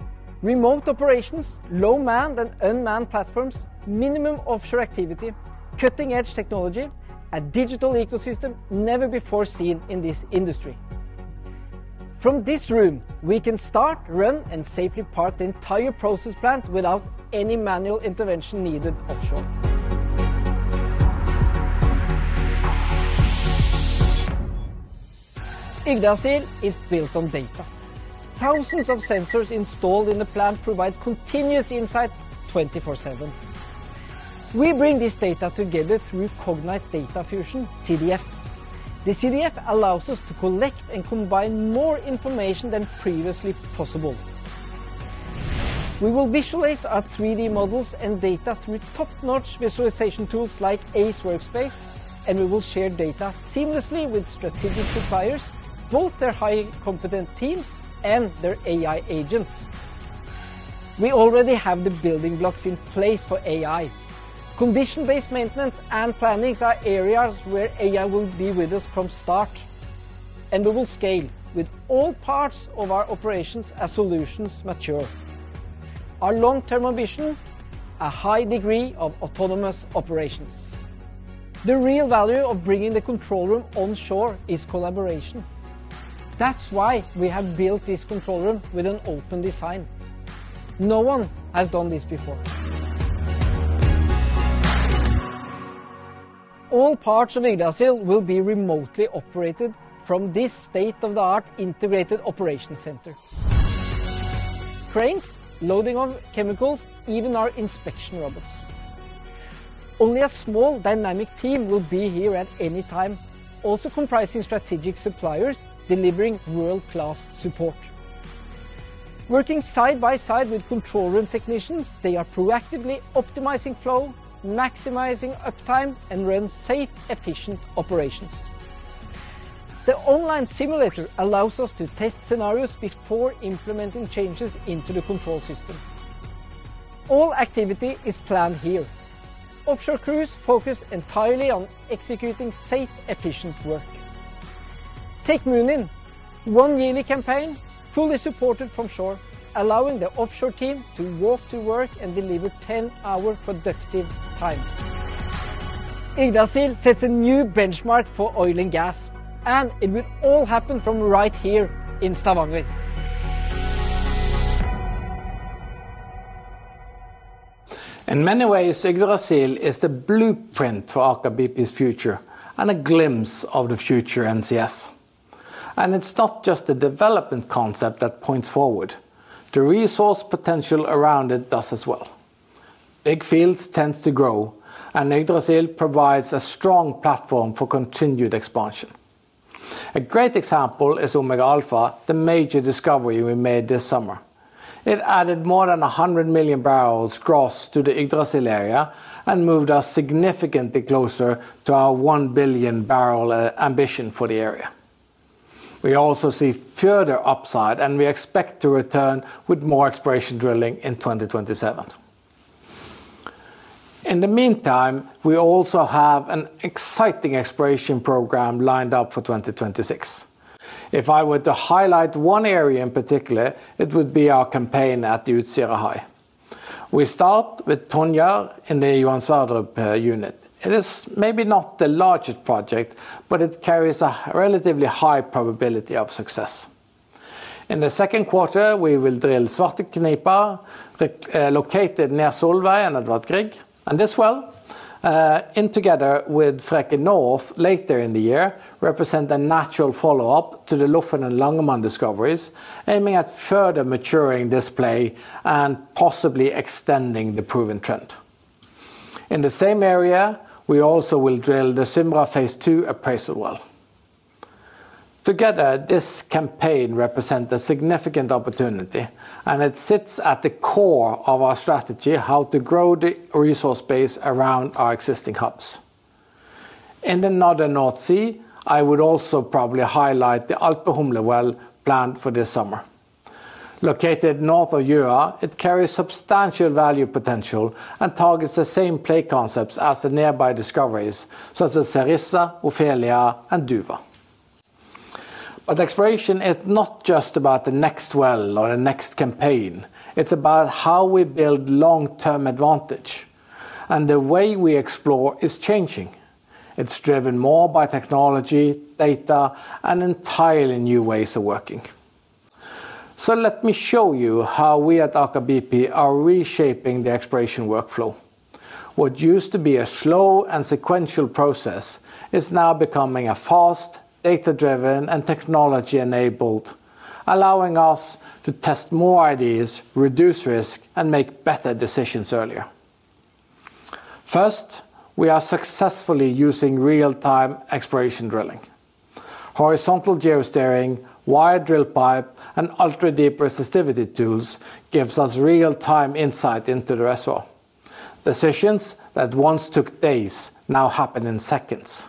Remote operations, low manned and unmanned platforms, minimum offshore activity, cutting edge technology, a digital ecosystem never before seen in this industry. From this room we can start, run, and safely park the entire process plant without any manual intervention needed offshore. Yggdrasil is built on data. Thousands of sensors installed in the plant provide continuous insight 24/7. We bring this data together through Cognite Data Fusion CDF. The CDF allows us to collect and combine more information than previously possible. We will visualize our 3D models and data through top-notch visualization tools like AIZE Workspace and we will share data seamlessly with strategic suppliers both their high competent teams and their AI agents. We already have the building blocks in place for AI. Condition-based maintenance and planning are areas where AI will be with us from start. We will scale with all parts of our operations as solutions mature. Our long-term ambition: a high degree of autonomous operations. The real value of bringing the control room onshore is collaboration. That's why we have built this control room with an open design. No one has done this before. All parts of Yggdrasil will be remotely operated from this state-of-the-art integrated operations center. Cranes loading off chemicals, even our inspection robots. Only a small dynamic team will be here at any time, also comprising strategic suppliers delivering world-class support. Working side by side with control room technicians, they are proactively optimizing flow, maximizing uptime, and running safe, efficient operations. The online simulator allows us to test scenarios before implementing changes into the control system. All activity is planned here. Offshore crews focus entirely on executing safe, efficient work. Take Munin: one yearly campaign fully supported from shore, allowing the offshore team to walk to work and deliver 10-hour productive time. Yggdrasil sets a new benchmark for oil and gas, and it will all happen from right here in Stavanger. In many ways Yggdrasil is the blueprint for Aker BP's future and a glimpse of the future NCS. It's not just the development concept that points forward. The resource potential around it does as well. Big fields tend to grow and Yggdrasil provides a strong platform for continued expansion. A great example is Omega Alfa, the major discovery we made this summer. It added more than 100 million bbl gross to the Yggdrasil area and moved us significantly closer to our 1 billion bbl ambition for the area. We also see further upside and we expect to return with more exploration drilling in 2027. In the meantime we also have an exciting exploration program lined up for 2026. If I were to highlight one area in particular, it would be our campaign at Utsira High. We start with Tonjer in the Johan Sverdrup unit. It is maybe not the largest project but it carries a relatively high probability of success. In the second quarter we will drill Svarteknipen located near Solveig and Edvard Grieg and this well in together with Freke North later in the year represent a natural follow-up to the Lofn and Langemann discoveries aiming at further maturing this play and possibly extending the proven trend. In the same area we also will drill the Symra Phase 2 appraisal well. Together this campaign represents a significant opportunity and it sits at the core of our strategy how to grow the resource base around our existing hubs. In the northern North Sea I would also probably highlight the Alpfehumle well planned for this summer. Located north of Gjøa it carries substantial value potential and targets the same play concepts as the nearby discoveries such as Cerisa, Ofelia and Duva. But exploration is not just about the next well or the next campaign. It's about how we build long-term advantage. And the way we explore is changing. It's driven more by technology, data, and entirely new ways of working. So let me show you how we at Aker BP are reshaping the exploration workflow. What used to be a slow and sequential process is now becoming a fast, data-driven, and technology-enabled process, allowing us to test more ideas, reduce risk, and make better decisions earlier. First, we are successfully using real-time exploration drilling. Horizontal geosteering, wired drill pipe, and ultra-deep resistivity tools give us real-time insight into the reservoir. Decisions that once took days now happen in seconds.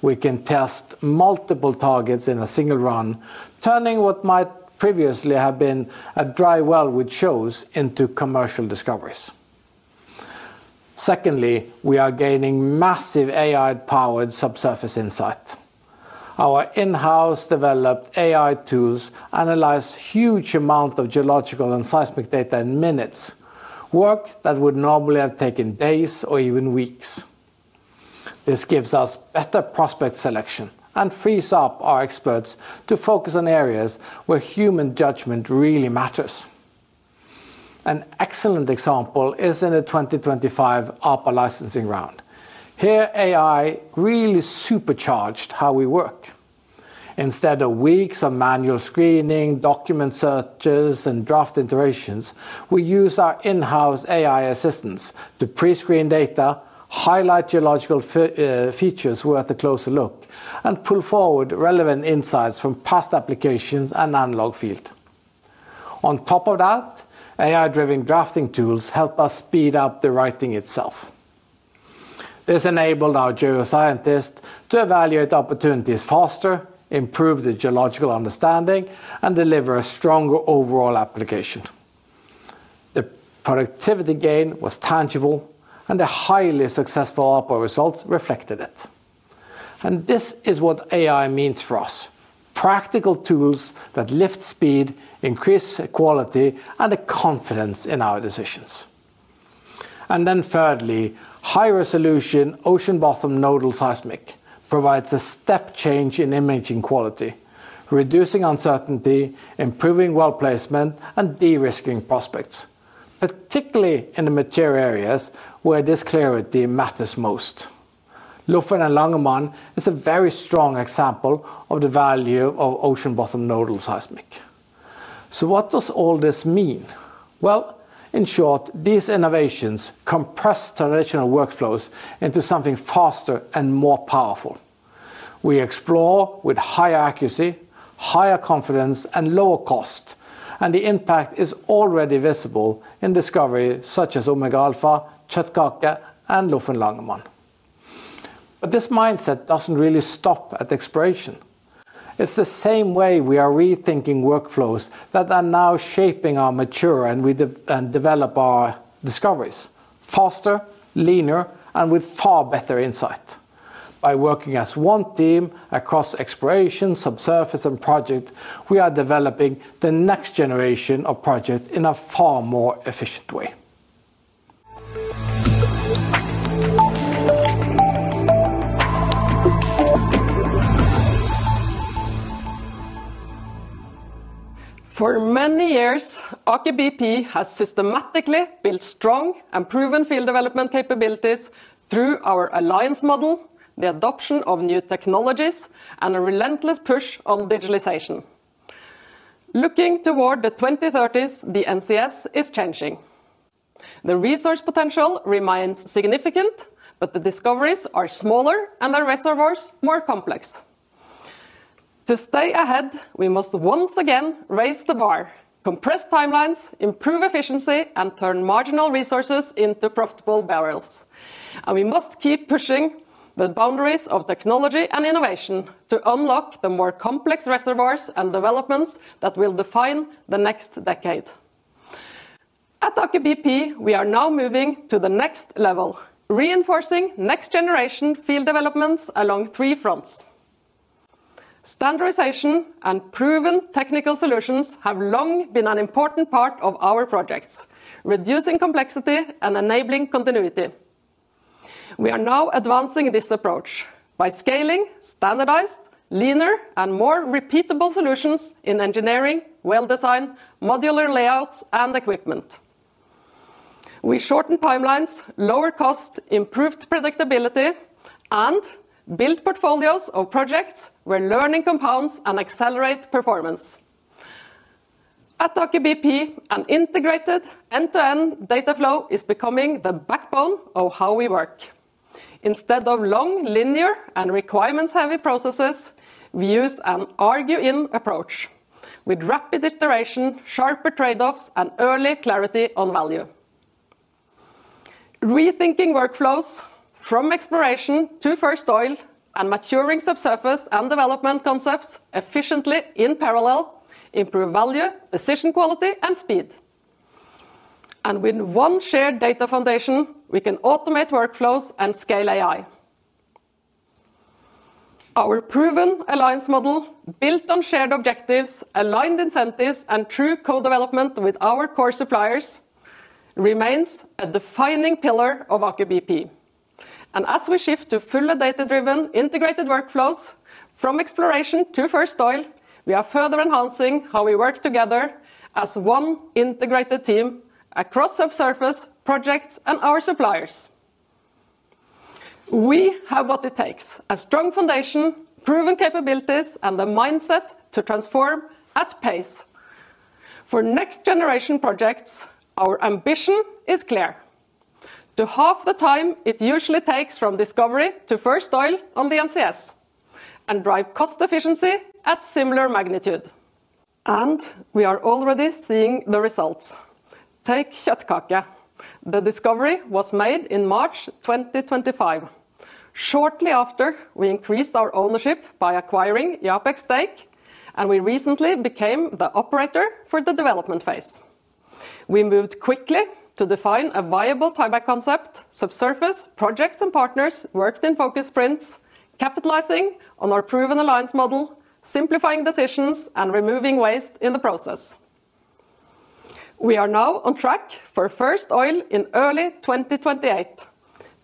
We can test multiple targets in a single run, turning what might previously have been a dry well—which shows—into commercial discoveries. Secondly, we are gaining massive AI-powered subsurface insight. Our in-house developed AI tools analyze huge amounts of geological and seismic data in minutes. Work that would normally have taken days or even weeks. This gives us better prospect selection and frees up our experts to focus on areas where human judgment really matters. An excellent example is in the 2025 APA licensing round. Here AI really supercharged how we work. Instead of weeks of manual screening document searches and draft iterations we use our in-house AI assistants to pre-screen data highlight geological features worth a closer look and pull forward relevant insights from past applications and analog field. On top of that AI-driven drafting tools help us speed up the writing itself. This enabled our geoscientist to evaluate opportunities faster improve the geological understanding and deliver a stronger overall application. The productivity gain was tangible and the highly successful APA results reflected it And this is what AI means for us. Practical tools that lift speed, increase quality, and the confidence in our decisions. And then thirdly, high-resolution ocean bottom node seismic provides a step change in imaging quality. Reducing uncertainty, improving well placement, and de-risking prospects. Particularly in the material areas where this clarity matters most. Lofn and Langemann is a very strong example of the value of ocean bottom node seismic. So what does all this mean? Well, in short, these innovations compress traditional workflows into something faster and more powerful. We explore with higher accuracy, higher confidence, and lower cost, and the impact is already visible in discoveries such as Omega Alfa, Kjøttkake, and Lofn-Langemann. But this mindset doesn't really stop at exploration. It's the same way we are rethinking workflows that are now shaping our mature and we develop our discoveries. Faster, leaner, and with far better insight. By working as one team across exploration, subsurface, and project, we are developing the next generation of project in a far more efficient way. For many years Aker BP has systematically built strong and proven field development capabilities through our alliance model, the adoption of new technologies, and a relentless push on digitalization. Looking toward the 2030s, the NCS is changing. The resource potential remains significant, but the discoveries are smaller and the reservoirs more complex. To stay ahead, we must once again raise the bar. Compress timelines, improve efficiency, and turn marginal resources into profitable barrels. And we must keep pushing the boundaries of technology and innovation to unlock the more complex reservoirs and developments that will define the next decade. At Aker BP, we are now moving to the next level. Reinforcing next generation field developments along three fronts. Standardization and proven technical solutions have long been an important part of our projects. Reducing complexity and enabling continuity. We are now advancing this approach. By scaling standardized, leaner, and more repeatable solutions in engineering, well design, modular layouts, and equipment, we shorten timelines, lower costs, improve predictability, and build portfolios of projects where learning compounds and accelerates performance. At Aker BP, an integrated end-to-end data flow is becoming the backbone of how we work. Instead of long, linear, and requirements-heavy processes, we use an agile approach with rapid iteration, sharper trade-offs, and early clarity on value. Rethinking workflows from exploration to first oil and maturing subsurface and development concepts efficiently in parallel improves value, decision quality, and speed. And with one shared data foundation, we can automate workflows and scale AI. Our proven alliance model, built on shared objectives, aligned incentives, and true co-development with our core suppliers, remains a defining pillar of Aker BP. As we shift to fuller data-driven integrated workflows from exploration to first oil, we are further enhancing how we work together as one integrated team across subsurface projects and our suppliers. We have what it takes. A strong foundation, proven capabilities, and the mindset to transform at pace. For next generation projects, our ambition is clear. To halve the time it usually takes from discovery to first oil on the NCS. And drive cost efficiency at similar magnitude. And we are already seeing the results. Take Kjøttkake. The discovery was made in March 2025. Shortly after, we increased our ownership by acquiring Japex stake, and we recently became the operator for the development phase. We moved quickly to define a viable tieback concept; subsurface projects and partners worked in focus sprints, capitalizing on our proven alliance model, simplifying decisions, and removing waste in the process. We are now on track for first oil in early 2028.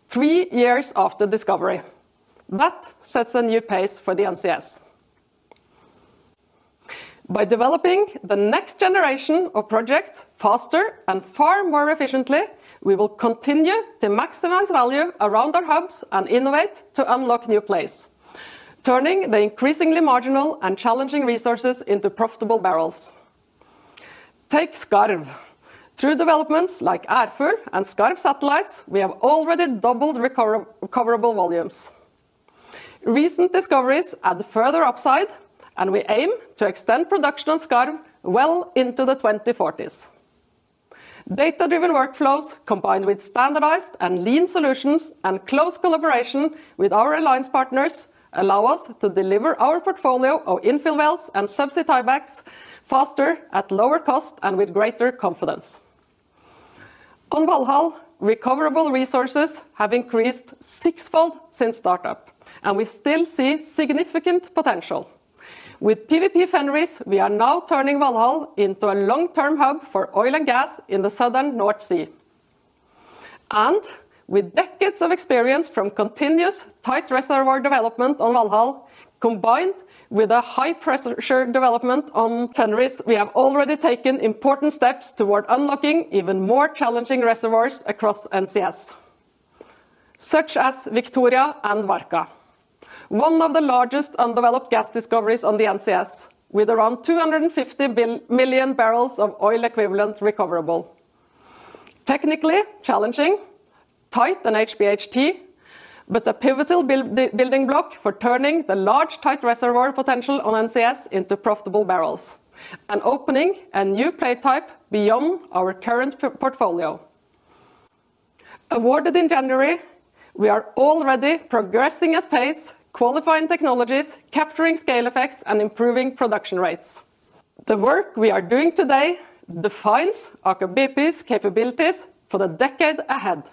Three years after discovery. That sets a new pace for the NCS. By developing the next generation of projects faster and far more efficiently we will continue to maximize value around our hubs and innovate to unlock new plays. Turning the increasingly marginal and challenging resources into profitable barrels. Take Skarv. Through developments like Ærfugl and Skarv satellites we have already doubled recoverable volumes. Recent discoveries add further upside and we aim to extend production on Skarv well into the 2040s. Data-driven workflows combined with standardized and lean solutions and close collaboration with our alliance partners allow us to deliver our portfolio of infill wells and subsea tiebacks faster at lower cost and with greater confidence. On Valhall recoverable resources have increased sixfold since startup and we still see significant potential. With PWP-Fenris we are now turning Valhall into a long-term hub for oil and gas in the southern North Sea. With decades of experience from continuous tight reservoir development on Valhall combined with a high-pressure development on Fenris we have already taken important steps toward unlocking even more challenging reservoirs across NCS. Such as Victoria and Varka. One of the largest undeveloped gas discoveries on the NCS with around 250 million bbl of oil equivalent recoverable. Technically challenging tight and HPHT but a pivotal building block for turning the large tight reservoir potential on NCS into profitable barrels. Opening a new play type beyond our current portfolio. Awarded in January we are already progressing at pace qualifying technologies capturing scale effects and improving production rates. The work we are doing today defines Aker BP's capabilities for the decade ahead.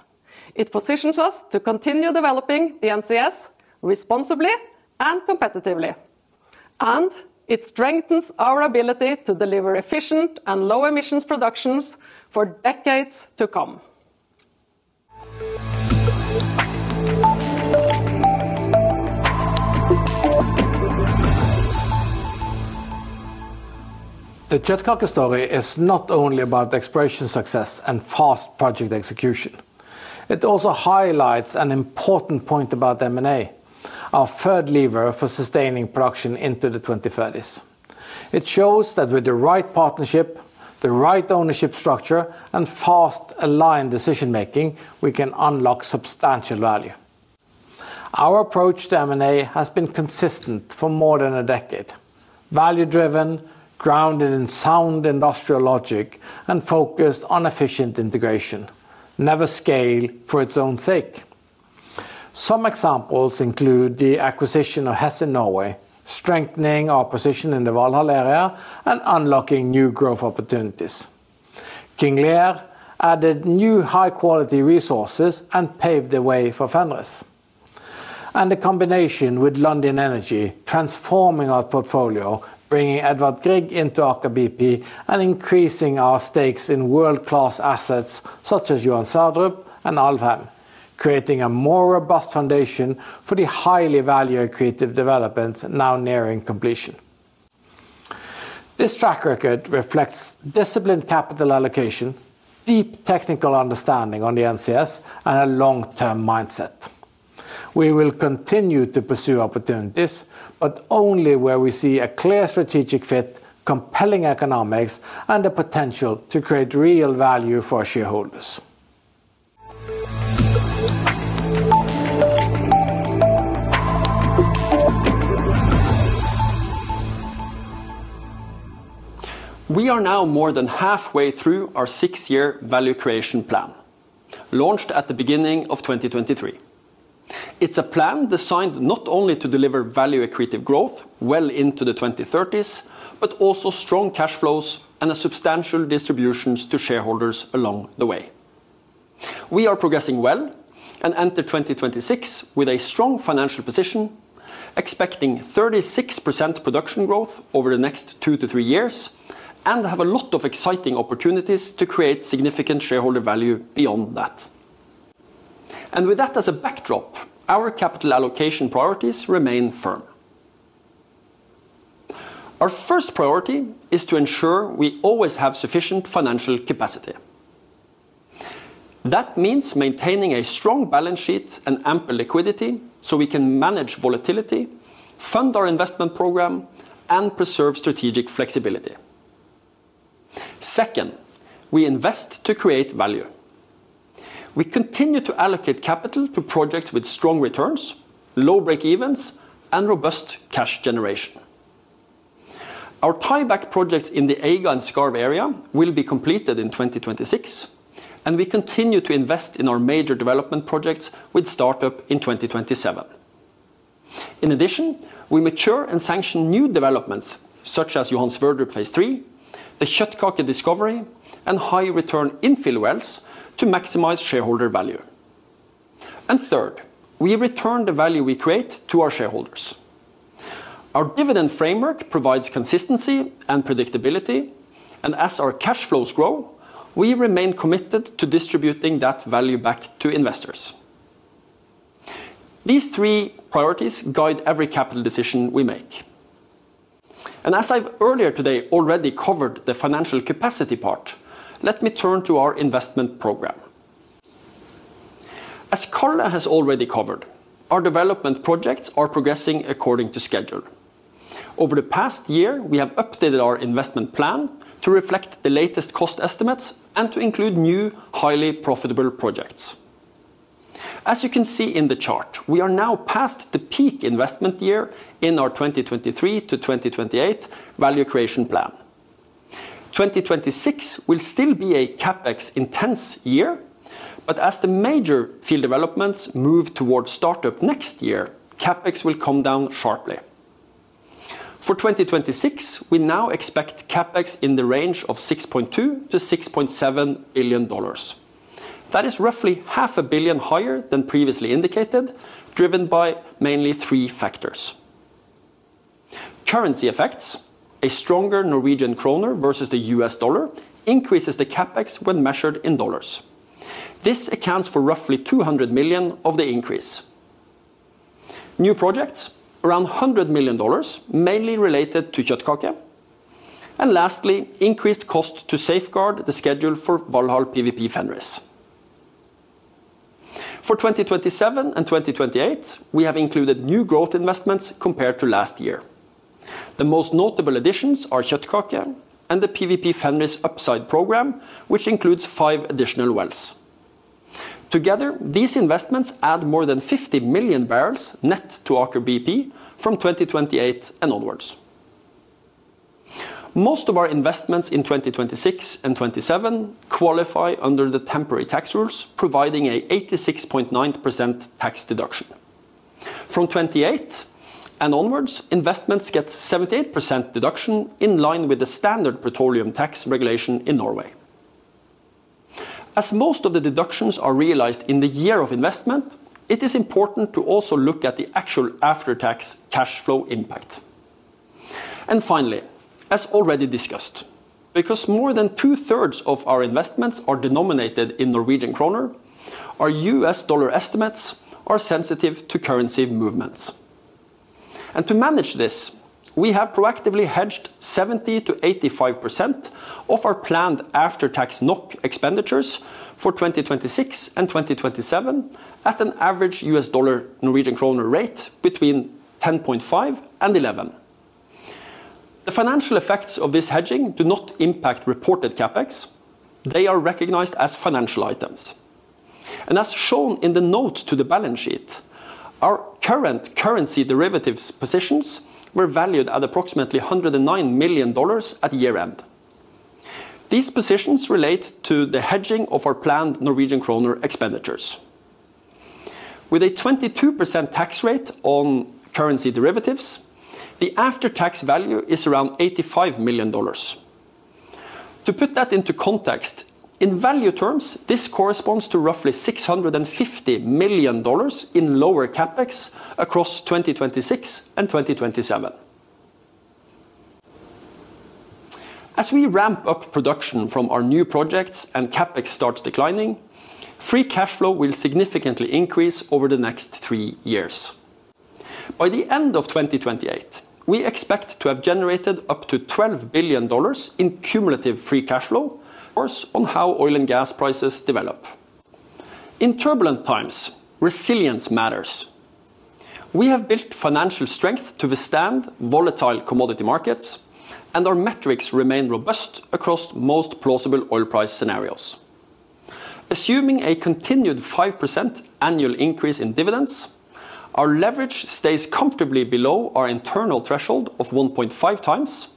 It positions us to continue developing the NCS responsibly and competitively. It strengthens our ability to deliver efficient and low emissions productions for decades to come. The Kjøttkake story is not only about exploration success and fast project execution. It also highlights an important point about M&A. Our third lever for sustaining production into the 2030s. It shows that with the right partnership, the right ownership structure, and fast aligned decision making, we can unlock substantial value. Our approach to M&A has been consistent for more than a decade. Value-driven, grounded in sound industrial logic, and focused on efficient integration. Never scale for its own sake. Some examples include the acquisition of Hess Norge. Strengthening our position in the Valhall area and unlocking new growth opportunities. King Lear added new high-quality resources and paved the way for Fenris. The combination with Lundin Energy transforming our portfolio, bringing Edvard Grieg into Aker BP, and increasing our stakes in world-class assets such as Johan Sverdrup and Alvheim. Creating a more robust foundation for the highly value-creative development now nearing completion. This track record reflects disciplined capital allocation, deep technical understanding on the NCS, and a long-term mindset. We will continue to pursue opportunities but only where we see a clear strategic fit, compelling economics, and the potential to create real value for our shareholders. We are now more than halfway through our six-year value creation plan, launched at the beginning of 2023. It's a plan designed not only to deliver value-equitative growth well into the 2030s but also strong cash flows and substantial distributions to shareholders along the way. We are progressing well and enter 2026 with a strong financial position, expecting 36% production growth over the next two to three years and have a lot of exciting opportunities to create significant shareholder value beyond that. With that as a backdrop, our capital allocation priorities remain firm. Our first priority is to ensure we always have sufficient financial capacity. That means maintaining a strong balance sheet and ample liquidity so we can manage volatility, fund our investment program, and preserve strategic flexibility. Second, we invest to create value. We continue to allocate capital to projects with strong returns, low break-evens, and robust cash generation. Our tieback projects in the Ærfugl and Skarv area will be completed in 2026, and we continue to invest in our major development projects with startup in 2027. In addition, we mature and sanction new developments such as Johan Sverdrup Phase 3, the Kjøttkake discovery, and high-return infill wells to maximize shareholder value. And third, we return the value we create to our shareholders. Our dividend framework provides consistency and predictability and as our cash flows grow we remain committed to distributing that value back to investors. These three priorities guide every capital decision we make. And as I've earlier today already covered the financial capacity part let me turn to our investment program. As Karl has already covered our development projects are progressing according to schedule. Over the past year we have updated our investment plan to reflect the latest cost estimates and to include new highly profitable projects. As you can see in the chart we are now past the peak investment year in our 2023 to 2028 value creation plan. 2026 will still be a CapEx intense year but as the major field developments move towards startup next year CapEx will come down sharply. For 2026 we now expect CapEx in the range of $6.2 billion-$6.7 billion. That is roughly $500 million higher than previously indicated, driven by mainly three factors. Currency effects. A stronger Norwegian kroner versus the U.S. dollar increases the CapEx when measured in dollars. This accounts for roughly $200 million of the increase. New projects around $100 million mainly related to Kjøttkake. And lastly increased cost to safeguard the schedule for Valhall PWP-Fenris. For 2027 and 2028, we have included new growth investments compared to last year. The most notable additions are Kjøttkake and the PWP-Fenris upside program which includes five additional wells. Together these investments add more than 50 million bbl net to Aker BP from 2028 and onwards. Most of our investments in 2026 and 2027 qualify under the temporary tax rules providing a 86.9% tax deduction. From 2028 and onwards investments get 78% deduction in line with the standard petroleum tax regulation in Norway. As most of the deductions are realized in the year of investment, it is important to also look at the actual after-tax cash flow impact. Finally, as already discussed, because more than two-thirds of our investments are denominated in Norwegian kroner, our U.S. dollar estimates are sensitive to currency movements. To manage this, we have proactively hedged 70%-85% of our planned after-tax NOK expenditures for 2026 and 2027 at an average U.S. dollar Norwegian kroner rate between $10.5-$11. The financial effects of this hedging do not impact reported CapEx. They are recognized as financial items. As shown in the note to the balance sheet, our current currency derivatives positions were valued at approximately $109 million at year-end. These positions relate to the hedging of our planned Norwegian kroner expenditures. With a 22% tax rate on currency derivatives, the after-tax value is around $85 million. To put that into context, in value terms this corresponds to roughly $650 million in lower CapEx across 2026 and 2027. As we ramp up production from our new projects and CapEx starts declining, free cash flow will significantly increase over the next three years. By the end of 2028, we expect to have generated up to $12 billion in cumulative free cash flow. On how oil and gas prices develop. In turbulent times resilience matters. We have built financial strength to withstand volatile commodity markets and our metrics remain robust across most plausible oil price scenarios. Assuming a continued 5% annual increase in dividends, our leverage stays comfortably below our internal threshold of 1.5x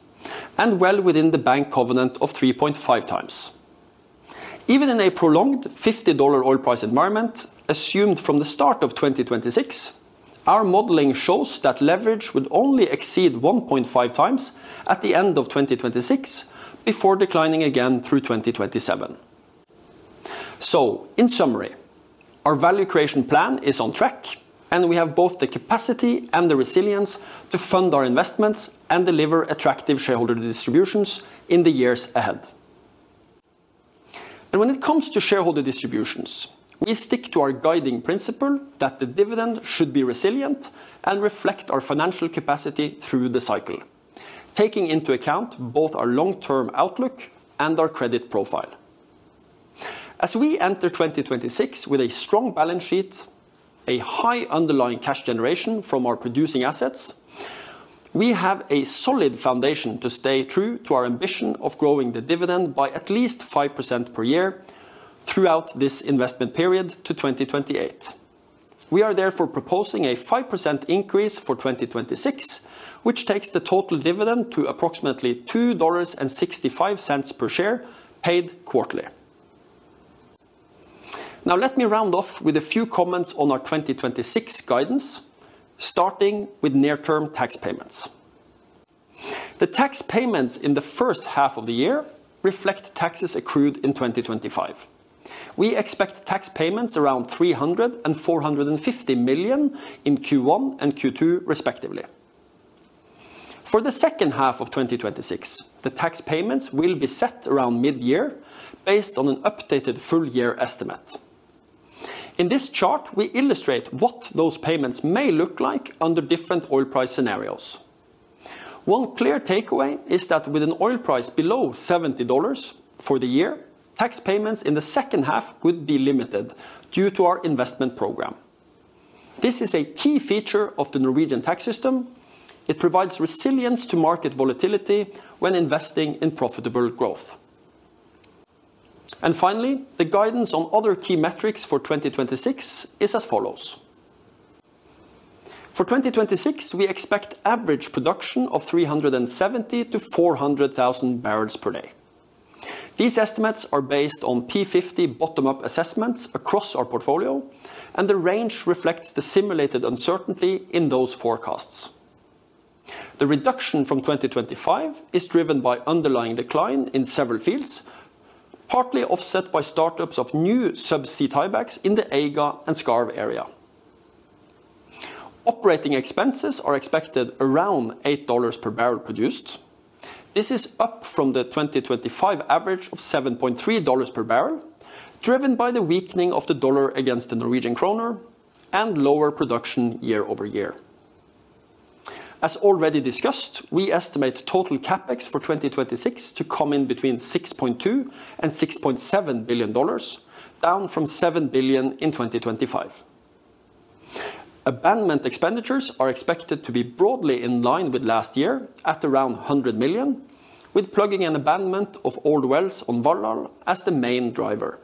and well within the bank covenant of 3.5x. Even in a prolonged $50 oil price environment assumed from the start of 2026, our modeling shows that leverage would only exceed 1.5x at the end of 2026 before declining again through 2027. So in summary, our value creation plan is on track, and we have both the capacity and the resilience to fund our investments and deliver attractive shareholder distributions in the years ahead. And when it comes to shareholder distributions, we stick to our guiding principle that the dividend should be resilient and reflect our financial capacity through the cycle. Taking into account both our long-term outlook and our credit profile. As we enter 2026 with a strong balance sheet, a high underlying cash generation from our producing assets, we have a solid foundation to stay true to our ambition of growing the dividend by at least 5% per year throughout this investment period to 2028. We are therefore proposing a 5% increase for 2026 which takes the total dividend to approximately $2.65 per share paid quarterly. Now let me round off with a few comments on our 2026 guidance starting with near-term tax payments. The tax payments in the first half of the year reflect taxes accrued in 2025. We expect tax payments around $300 million and $450 million in Q1 and Q2 respectively. For the second half of 2026 the tax payments will be set around mid-year based on an updated full-year estimate. In this chart we illustrate what those payments may look like under different oil price scenarios. One clear takeaway is that with an oil price below $70 for the year tax payments in the second half would be limited due to our investment program. This is a key feature of the Norwegian tax system. It provides resilience to market volatility when investing in profitable growth. Finally the guidance on other key metrics for 2026 is as follows. For 2026 we expect average production of 370,000-400,000 bbl per day. These estimates are based on P50 bottom-up assessments across our portfolio and the range reflects the simulated uncertainty in those forecasts. The reduction from 2025 is driven by underlying decline in several fields partly offset by startups of new subsea tiebacks in the Eiga and Skarv area. Operating expenses are expected around $8 per barrel produced. This is up from the 2025 average of $7.3 per barrel driven by the weakening of the dollar against the Norwegian kroner and lower production year-over-year. As already discussed we estimate total CapEx for 2026 to come in between $6.2 billion-$6.7 billion down from $7 billion in 2025. Abandonment expenditures are expected to be broadly in line with last year at around $100 million, with plugging and abandonment of old wells on Valhall as the main driver.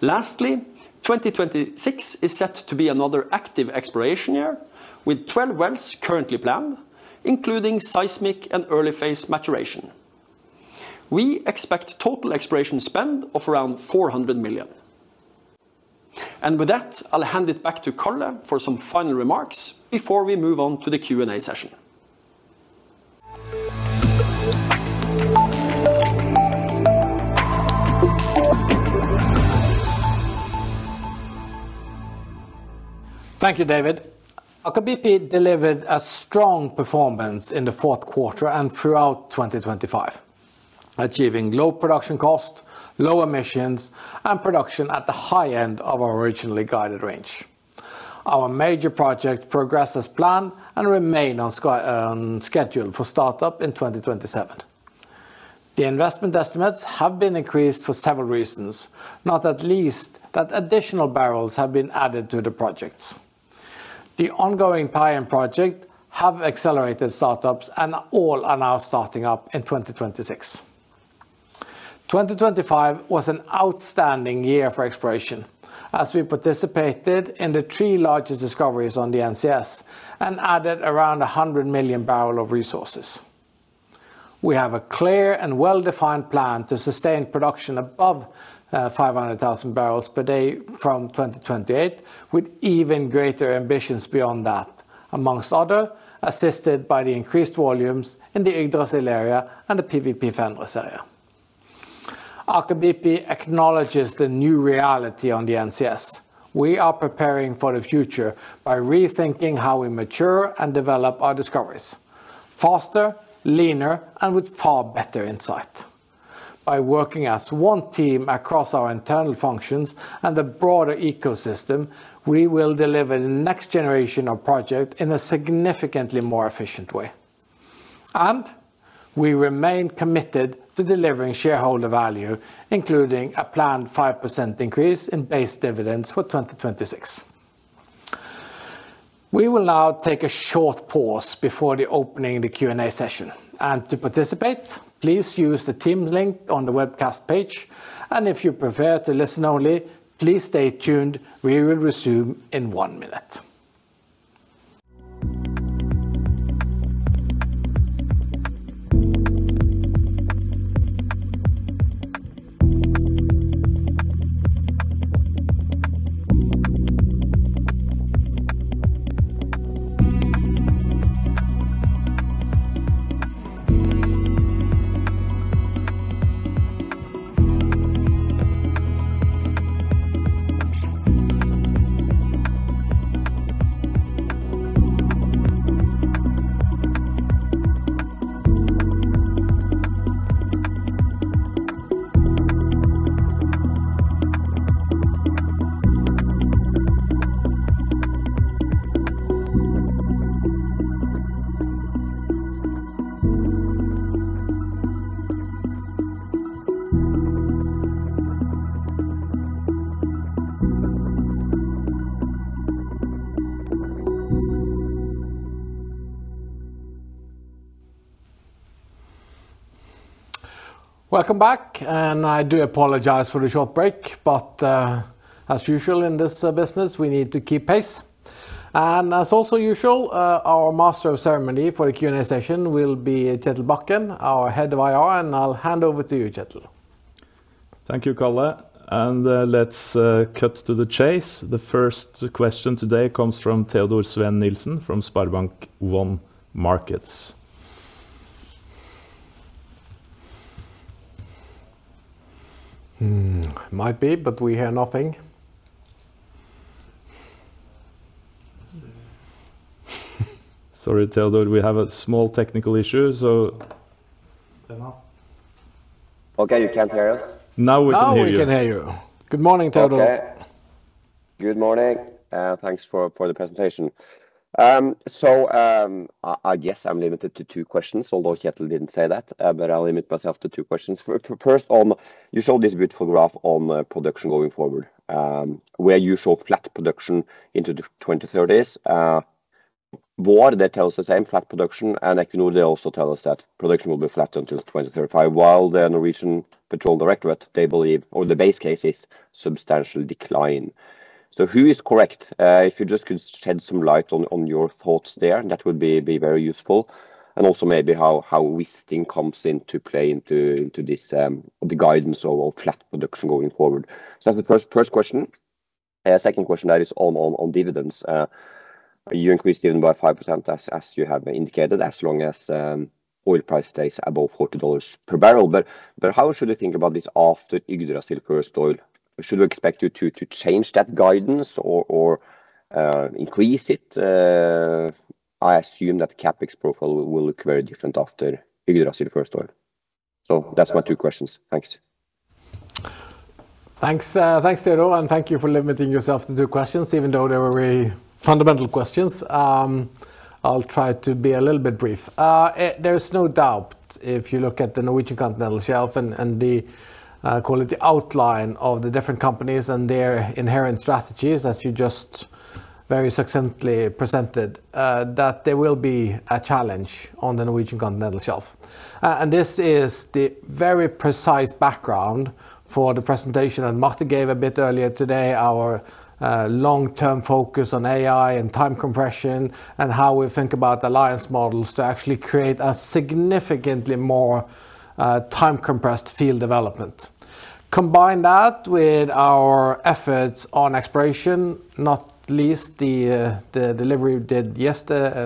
Lastly, 2026 is set to be another active exploration year with 12 wells currently planned, including seismic and early-phase maturation. We expect total exploration spend of around $400 million. And with that I'll hand it back to Karl for some final remarks before we move on to the Q&A session. Thank you, David. Aker BP delivered a strong performance in the fourth quarter and throughout 2025, achieving low production cost, low emissions, and production at the high end of our originally guided range. Our major projects progress as planned and remain on schedule for startup in 2027. The investment estimates have been increased for several reasons, not at least that additional barrels have been added to the projects. The ongoing tie back project have accelerated startups and all are now starting up in 2026. 2025 was an outstanding year for exploration as we participated in the three largest discoveries on the NCS and added around 100 million bbl of resources. We have a clear and well-defined plan to sustain production above 500,000 bbl per day from 2028 with even greater ambitions beyond that amongst other assisted by the increased volumes in the Yggdrasil area and the PWP-Fenris area. Aker BP acknowledges the new reality on the NCS. We are preparing for the future by rethinking how we mature and develop our discoveries. Faster leaner and with far better insight. By working as one team across our internal functions and the broader ecosystem we will deliver the next generation of projects in a significantly more efficient way. And we remain committed to delivering shareholder value including a planned 5% increase in base dividends for 2026. We will now take a short pause before opening the Q&A session and to participate please use the Teams link on the webcast page and if you prefer to listen only please stay tuned we will resume in one minute. Welcome back and I do apologize for the short break but as usual in this business we need to keep pace. And as also usual our master of ceremony for the Q&A session will be Kjetil Bakken our head of IR and I'll hand over to you Kjetil. Thank you Karl and let's cut to the chase. The first question today comes from Teodor Sveen-Nilsen from SpareBank 1 Markets. Might be but we hear nothing. Sorry Teodor we have a small technical issue so. Okay you can't hear us. Now we can hear you. Now we can hear you. Good morning, Teodor. Okay. Good morning and thanks for the presentation. So I guess I'm limited to two questions although Kjetil didn't say that but I'll limit myself to two questions. First, on you showed this beautiful graph on production going forward. Where you show flat production into the 2030s. Både det tells the same flat production and Equinor they also tell us that production will be flat until 2035 while the Norwegian Petroleum Directorate they believe or the base case is substantial decline. So who is correct? If you just could shed some light on your thoughts there that would be very useful. And also maybe how Wisting comes into play into this the guidance of flat production going forward. So that's the first question. Second question that is on dividends. You increased even by 5% as you have indicated as long as oil price stays above $40 per barrel, but how should we think about this after Yggdrasil first oil? Should we expect you to change that guidance or increase it? I assume that CapEx profile will look very different after Yggdrasil first oil. So that's my two questions. Thanks. Thanks Teodor, and thank you for limiting yourself to two questions even though they were very fundamental questions. I'll try to be a little bit brief. There is no doubt if you look at the Norwegian Continental Shelf and the quality outline of the different companies and their inherent strategies as you just very succinctly presented that there will be a challenge on the Norwegian Continental Shelf. This is the very precise background for the presentation that Marte gave a bit earlier today. Our long-term focus on AI and time compression and how we think about alliance models to actually create a significantly more time-compressed field development. Combine that with our efforts on exploration, not least the delivery we did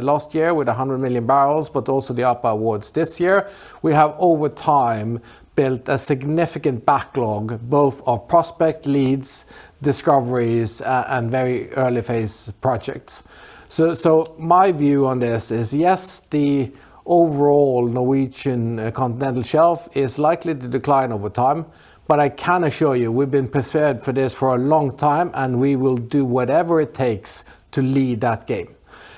last year with 100 million bbl but also the APA awards this year. We have over time built a significant backlog both of prospect, leads, discoveries, and very early-phase projects. So my view on this is yes the overall Norwegian Continental Shelf is likely to decline over time but I can assure you we've been prepared for this for a long time and we will do whatever it takes to lead that game.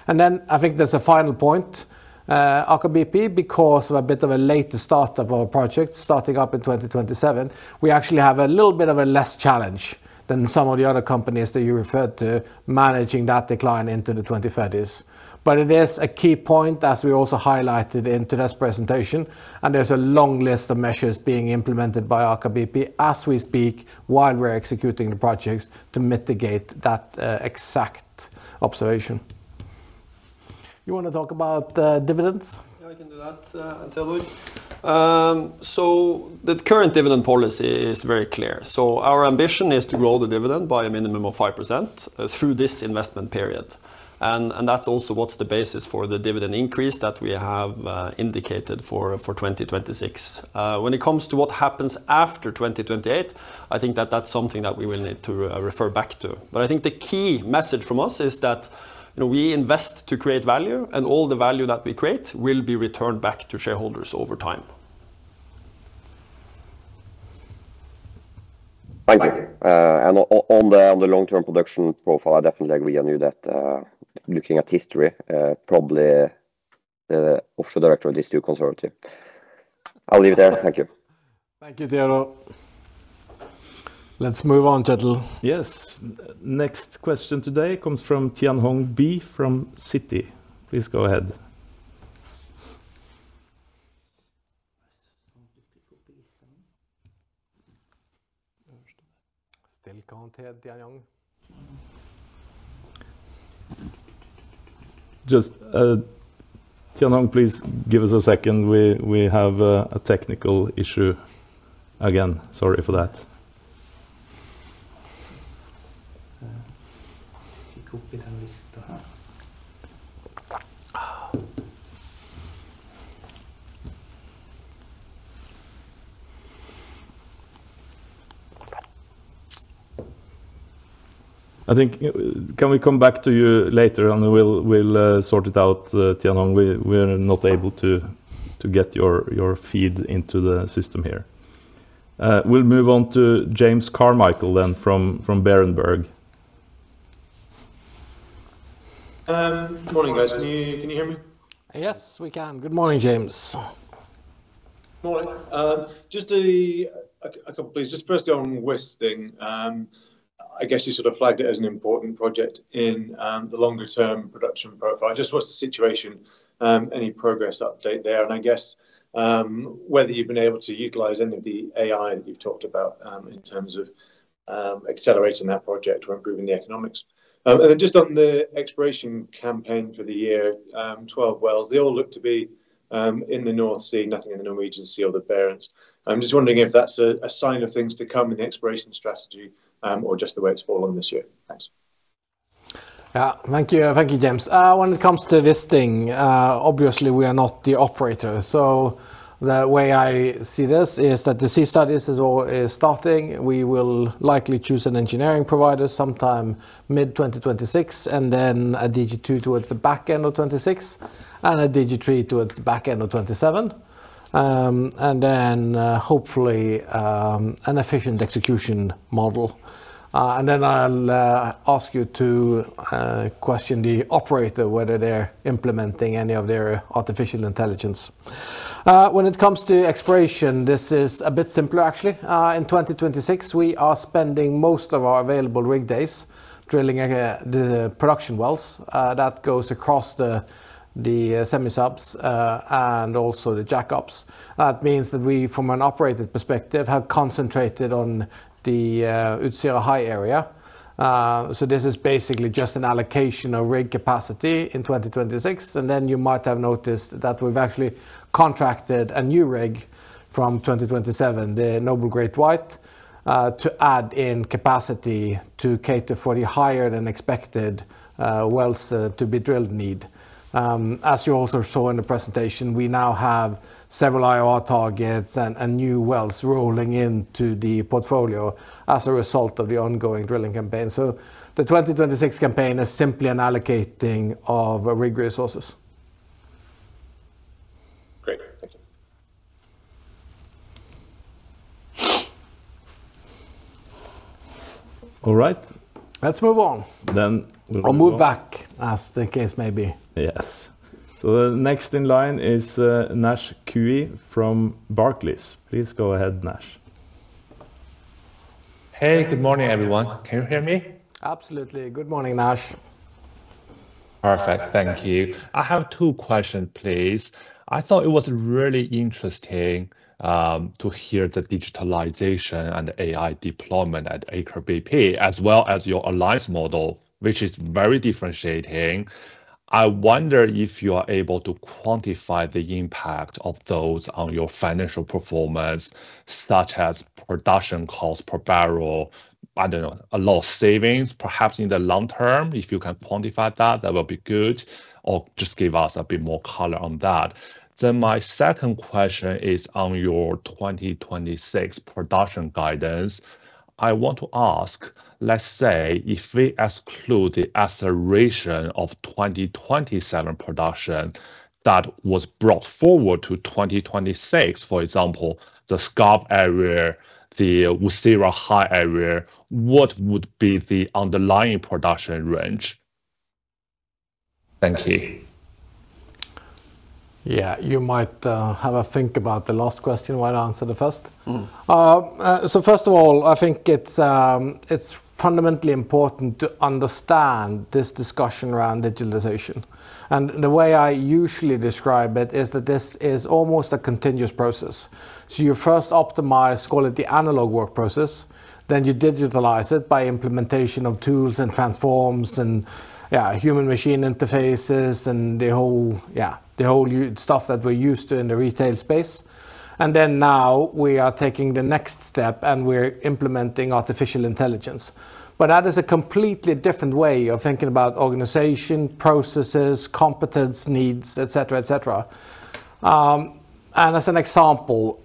Then I think there's a final point. Aker BP because of a bit of a later startup of a project starting up in 2027 we actually have a little bit of a less challenge than some of the other companies that you referred to managing that decline into the 2030s. But it is a key point as we also highlighted in today's presentation and there's a long list of measures being implemented by Aker BP as we speak while we're executing the projects to mitigate that exact observation. You want to talk about dividends? Yeah I can do that and Teodor. So the current dividend policy is very clear. So our ambition is to grow the dividend by a minimum of 5% through this investment period. And that's also what's the basis for the dividend increase that we have indicated for 2026. When it comes to what happens after 2028, I think that that's something that we will need to refer back to. But I think the key message from us is that we invest to create value and all the value that we create will be returned back to shareholders over time. Thank you. And on the long-term production profile, I definitely agree with you that looking at history probably the offshore directorate is too conservative. I'll leave it there. Thank you. Thank you, Teodor. Let's move on, Kjetil. Yes. Next question today comes from Tianhong Bi from Citi. Please go ahead. Still connected, Tianhong? Just Tianhong, please give us a second. We have a technical issue again. Sorry for that. I think, can we come back to you later and we'll sort it out, Tianhong? We're not able to get your feed into the system here. We'll move on to James Carmichael then from Berenberg. Good morning guys. Can you hear me? Yes we can. Good morning James. Morning. Just a couple please. Just firstly on Wisting. I guess you sort of flagged it as an important project in the longer-term production profile. Just what's the situation? Any progress update there? And I guess whether you've been able to utilize any of the AI that you've talked about in terms of accelerating that project or improving the economics. And then just on the exploration campaign for the year, 12 wells they all look to be in the North Sea nothing in the Norwegian Sea or the Barents. I'm just wondering if that's a sign of things to come in the exploration strategy or just the way it's fallen this year. Thanks. Yeah thank you. Thank you James. When it comes to Wisting, obviously we are not the operator. So the way I see this is that the sea studies is starting. We will likely choose an engineering provider sometime mid-2026 and then a DG2 towards the back end of 2026 and a DG3 towards the back end of 2027. And then hopefully an efficient execution model. And then I'll ask you to question the operator whether they're implementing any of their artificial intelligence. When it comes to exploration, this is a bit simpler actually. In 2026 we are spending most of our available rig days drilling the production wells. That goes across the semi-subs and also the jack-ups. That means that we from an operated perspective have concentrated on the Utsira High area. So this is basically just an allocation of rig capacity in 2026. Then you might have noticed that we've actually contracted a new rig from 2027, the Noble Great White, to add in capacity to cater for the higher than expected wells to be drilled need. As you also saw in the presentation, we now have several IOR targets and new wells rolling into the portfolio as a result of the ongoing drilling campaign. So the 2026 campaign is simply an allocating of rig resources. Great. Thank you. All right. Let's move on. Then we'll move back as the case may be. Yes. So the next in line is Naisheng Cui from Barclays. Please go ahead, Naisheng. Hey, good morning everyone. Can you hear me? Absolutely. Good morning, Naisheng. Perfect. Thank you. I have two questions please. I thought it was really interesting to hear the digitalization and the AI deployment at Aker BP as well as your alliance model which is very differentiating. I wonder if you are able to quantify the impact of those on your financial performance such as production cost per barrel. I don't know a lot of savings perhaps in the long term. If you can quantify that that will be good or just give us a bit more color on that. Then my second question is on your 2026 production guidance. I want to ask let's say if we exclude the acceleration of 2027 production that was brought forward to 2026 for example the Skarv area the Utsira High area what would be the underlying production range? Thank you. Yeah you might have a think about the last question why not answer the first. So first of all I think it's fundamentally important to understand this discussion around digitalization. And the way I usually describe it is that this is almost a continuous process. So you first optimize quality analog work process then you digitalize it by implementation of tools and transforms and human-machine interfaces and the whole stuff that we're used to in the retail space. And then now we are taking the next step and we're implementing artificial intelligence. But that is a completely different way of thinking about organization, processes, competence needs, etcetera, etcetera. And as an example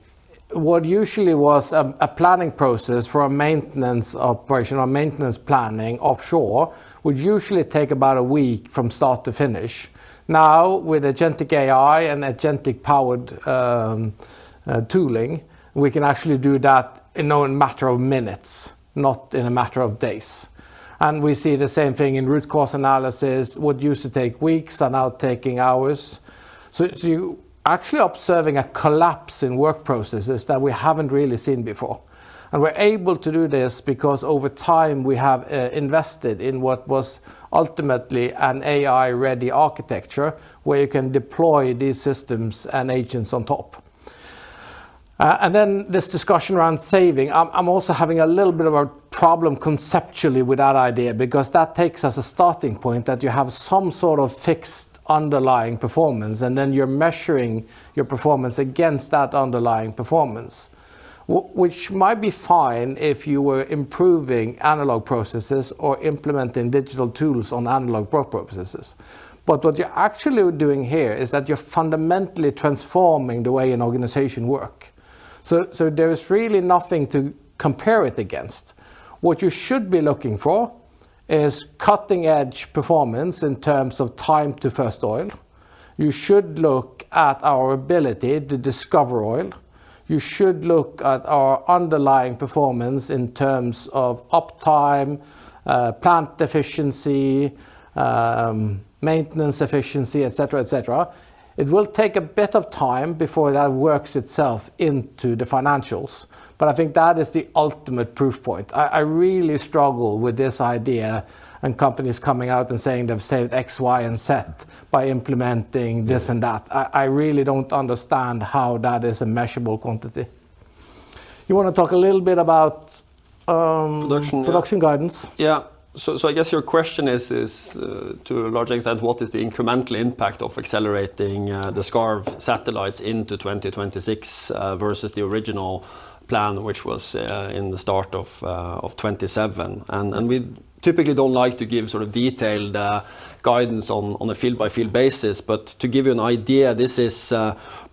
what usually was a planning process for a maintenance operation or maintenance planning offshore would usually take about a week from start to finish. Now with agentic AI and agentic powered tooling we can actually do that in no matter of minutes not in a matter of days. We see the same thing in root cause analysis. What used to take weeks are now taking hours. So you're actually observing a collapse in work processes that we haven't really seen before. And we're able to do this because over time we have invested in what was ultimately an AI-ready architecture where you can deploy these systems and agents on top. And then this discussion around saving, I'm also having a little bit of a problem conceptually with that idea because that takes us a starting point that you have some sort of fixed underlying performance and then you're measuring your performance against that underlying performance. Which might be fine if you were improving analog processes or implementing digital tools on analog work processes. But what you're actually doing here is that you're fundamentally transforming the way an organization works. So there is really nothing to compare it against. What you should be looking for is cutting-edge performance in terms of time to first oil. You should look at our ability to discover oil. You should look at our underlying performance in terms of uptime, plant efficiency, maintenance efficiency, etcetera, etcetera. It will take a bit of time before that works itself into the financials. But I think that is the ultimate proof point. I really struggle with this idea and companies coming out and saying they've saved X, Y, and Z by implementing this and that. I really don't understand how that is a measurable quantity. You want to talk a little bit about production guidance? Yeah. So I guess your question is to a large extent what is the incremental impact of accelerating the Skarv satellites into 2026 versus the original plan which was in the start of 2027. And we typically don't like to give sort of detailed guidance on a field-by-field basis but to give you an idea this is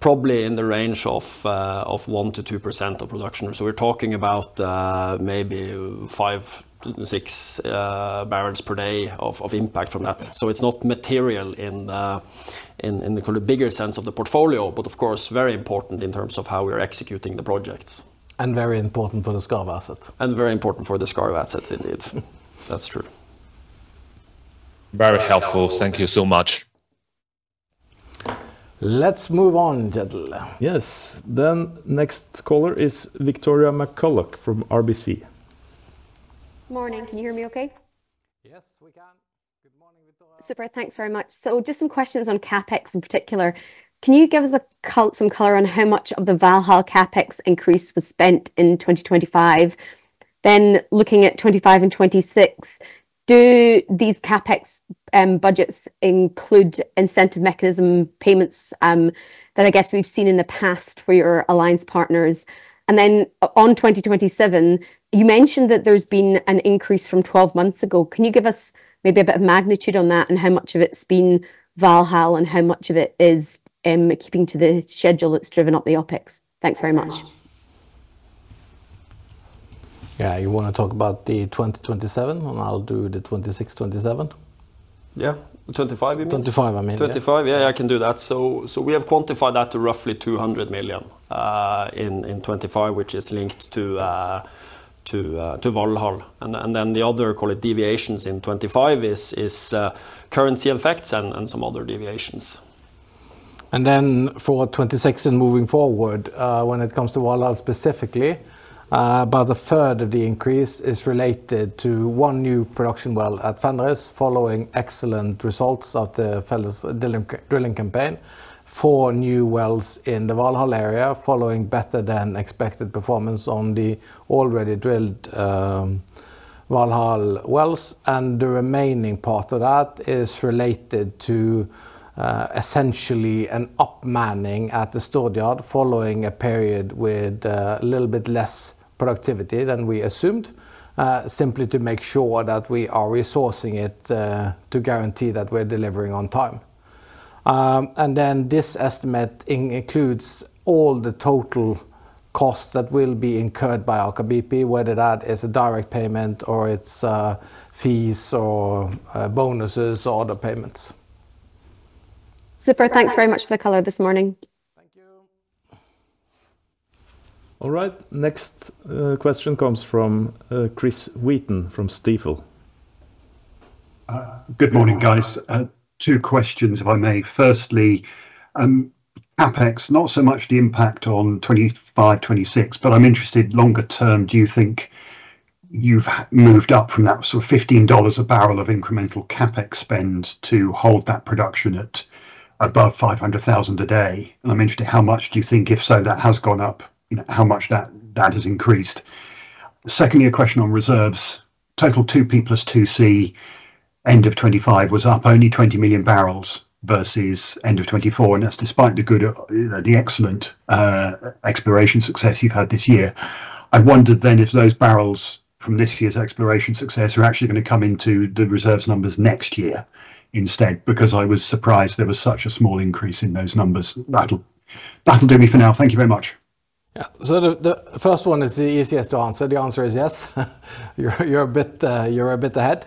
probably in the range of 1%-2% of production. So we're talking about maybe 5-6 bbl per day of impact from that. So it's not material in the bigger sense of the portfolio but of course very important in terms of how we are executing the projects. And very important for the Skarv assets. And very important for the Skarv assets indeed. That's true. Very helpful. Thank you so much. Let's move on Kjetil. Yes. Then next caller is Victoria McCulloch from RBC. Morning. Can you hear me okay? Yes we can. Good morning Victoria. Super. Thanks very much. So just some questions on CapEx in particular. Can you give us some color on how much of the Valhall CapEx increase was spent in 2025? Then looking at 2025 and 2026 do these CapEx budgets include incentive mechanism payments that I guess we've seen in the past for your alliance partners? And then on 2027 you mentioned that there's been an increase from 12 months ago. Can you give us maybe a bit of magnitude on that and how much of it's been Valhall and how much of it is keeping to the schedule that's driven up the OpEx? Thanks very much. Yeah. You want to talk about the 2027 and I'll do the 2026/2027? Yeah. 2025 you mean? 2025 I mean. 2025. Yeah. Yeah I can do that. So we have quantified that to roughly $200 million in 2025 which is linked to Valhall. And then the other call it deviations in 2025 is currency effects and some other deviations. And then for 2026 and moving forward when it comes to Valhall specifically about a third of the increase is related to one new production well at Fenris following excellent results of the drilling campaign. Four new wells in the Valhall area following better than expected performance on the already drilled Valhall wells. And the remaining part of that is related to essentially an upmanning at the Stord yard following a period with a little bit less productivity than we assumed. Simply to make sure that we are resourcing it to guarantee that we're delivering on time. Then this estimate includes all the total costs that will be incurred by Aker BP whether that is a direct payment or it's fees or bonuses or other payments. Super. Thanks very much for the color this morning. Thank you. All right. Next question comes from Chris Wheaton from Stifel. Good morning guys. Two questions if I may. Firstly CapEx not so much the impact on 2025/2026 but I'm interested longer term do you think you've moved up from that sort of $15 a barrel of incremental CapEx spend to hold that production at above 500,000 bbl a day? And I'm interested how much do you think if so that has gone up how much that has increased? Secondly a question on reserves. Total 2P plus 2C end of 2025 was up only 20 million bbl versus end of 2024 and that's despite the good, the excellent exploration success you've had this year. I wondered then if those barrels from this year's exploration success are actually going to come into the reserves numbers next year instead because I was surprised there was such a small increase in those numbers. That'll do me for now. Thank you very much. Yeah. So the first one is the easiest to answer. The answer is yes. You're a bit ahead.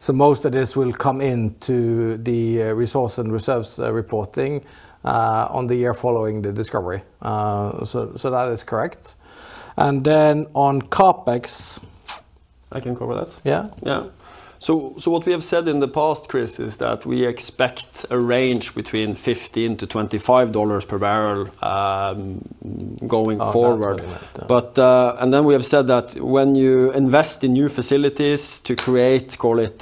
So most of this will come into the resource and reserves reporting on the year following the discovery. So that is correct. And then on CapEx. I can cover that. Yeah. Yeah. So what we have said in the past, Chris, is that we expect a range between $15-$25 per barrel going forward. And then we have said that when you invest in new facilities to create call it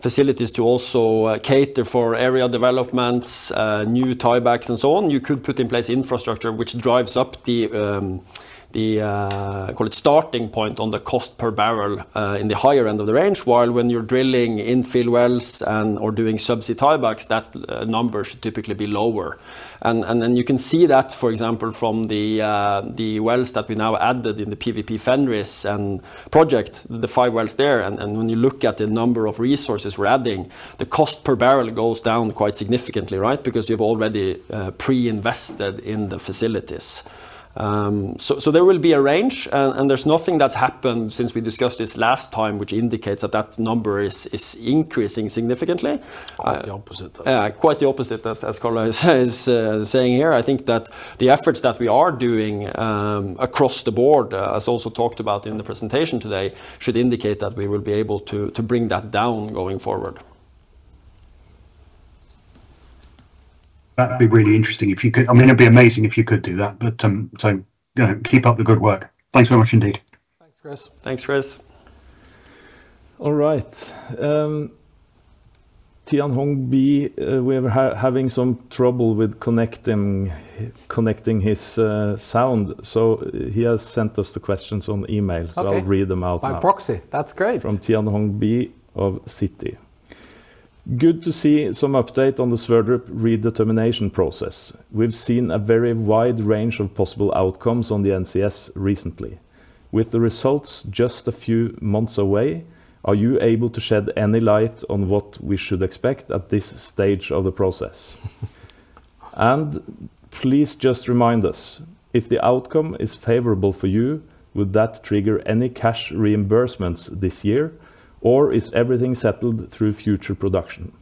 facilities to also cater for area developments, new tie-backs and so on you could put in place infrastructure which drives up the call it starting point on the cost per barrel in the higher end of the range while when you're drilling infill wells and/or doing subsea tie-backs that number should typically be lower. And then you can see that for example from the wells that we now added in the Valhall PWP-Fenris project the five wells there and when you look at the number of resources we're adding the cost per barrel goes down quite significantly right? Because you've already pre-invested in the facilities. So there will be a range and there's nothing that's happened since we discussed this last time which indicates that that number is increasing significantly. Quite the opposite. Yeah. Quite the opposite as Karl is saying here. I think that the efforts that we are doing across the board as also talked about in the presentation today should indicate that we will be able to bring that down going forward. That'd be really interesting if you could. I mean it'd be amazing if you could do that. So keep up the good work. Thanks very much indeed. Thanks, Chris. Thanks, Chris. All right. Tianhong Bi, we are having some trouble with connecting his sound. So he has sent us the questions on email so I'll read them out now. By proxy. That's great. From Tianhong Bi of Citi. Good to see some update on the Sverdrup redetermination process. We've seen a very wide range of possible outcomes on the NCS recently. With the results just a few months away, are you able to shed any light on what we should expect at this stage of the process? And please just remind us if the outcome is favorable for you, would that trigger any cash reimbursements this year or is everything settled through future production?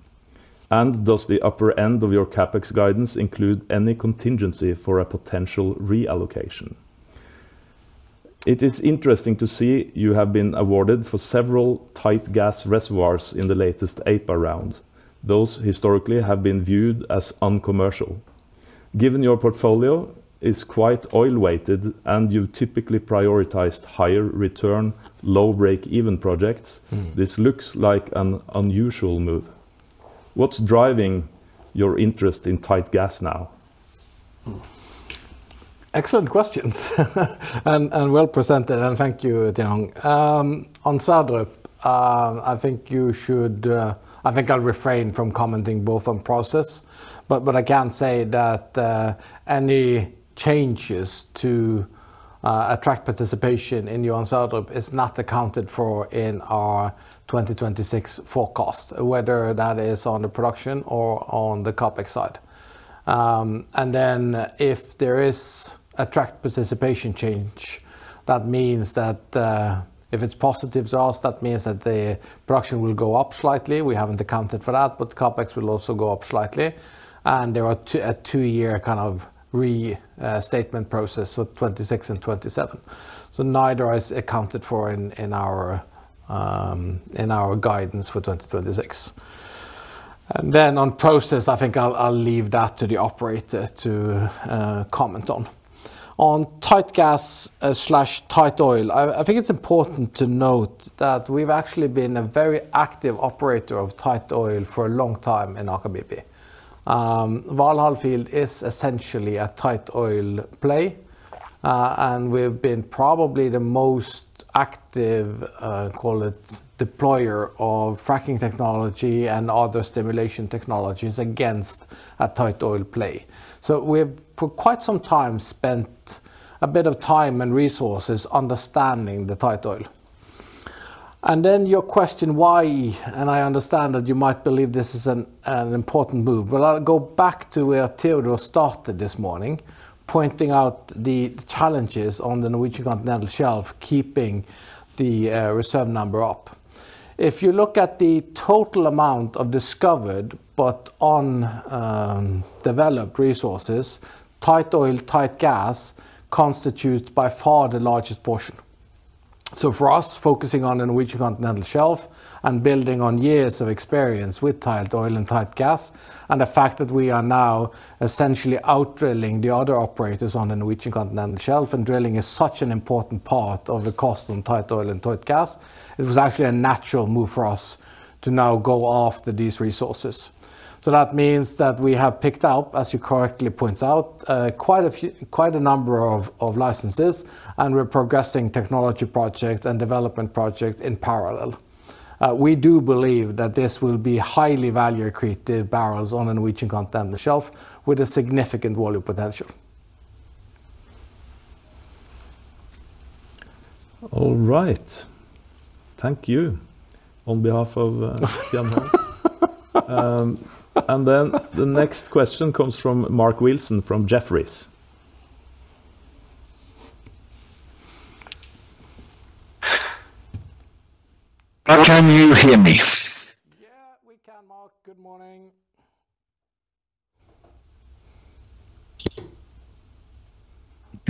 And does the upper end of your CapEx guidance include any contingency for a potential reallocation? It is interesting to see you have been awarded for several tight gas reservoirs in the latest APA round. Those historically have been viewed as uncommercial. Given your portfolio is quite oil-weighted and you've typically prioritized higher return low break-even projects, this looks like an unusual move. What's driving your interest in tight gas now? Excellent questions and well presented and thank you, Tianhong. On Johan Sverdrup, I think you should—I think I'll refrain from commenting both on process, but I can say that any changes to attract participation in Johan Sverdrup is not accounted for in our 2026 forecast whether that is on the production or on the CapEx side. And then if there is attract participation change that means that if it's positive, that means that the production will go up slightly. We haven't accounted for that but CapEx will also go up slightly. And there are a 2-year kind of restatement process for 2026 and 2027. So neither is accounted for in our guidance for 2026. And then on process I think I'll leave that to the operator to comment on. On tight gas/tight oil I think it's important to note that we've actually been a very active operator of tight oil for a long time in Aker BP. Valhall Field is essentially a tight oil play and we've been probably the most active call it deployer of fracking technology and other stimulation technologies against a tight oil play. So we've for quite some time spent a bit of time and resources understanding the tight oil. And then your question why and I understand that you might believe this is an important move. Well, I'll go back to where Teodor started this morning pointing out the challenges on the Norwegian Continental Shelf keeping the reserve number up. If you look at the total amount of discovered but undeveloped resources, tight oil tight gas constitutes by far the largest portion. So for us focusing on the Norwegian Continental Shelf and building on years of experience with tight oil and tight gas and the fact that we are now essentially out-drilling the other operators on the Norwegian Continental Shelf and drilling is such an important part of the cost on tight oil and tight gas it was actually a natural move for us to now go after these resources. So that means that we have picked up as you correctly points out quite a number of licenses and we're progressing technology projects and development projects in parallel. We do believe that this will be highly value-created barrels on the Norwegian Continental Shelf with a significant volume potential. All right. Thank you on behalf of Tianhong. And then the next question comes from Mark Wilson from Jefferies. Can you hear me? Yeah we can Mark. Good morning.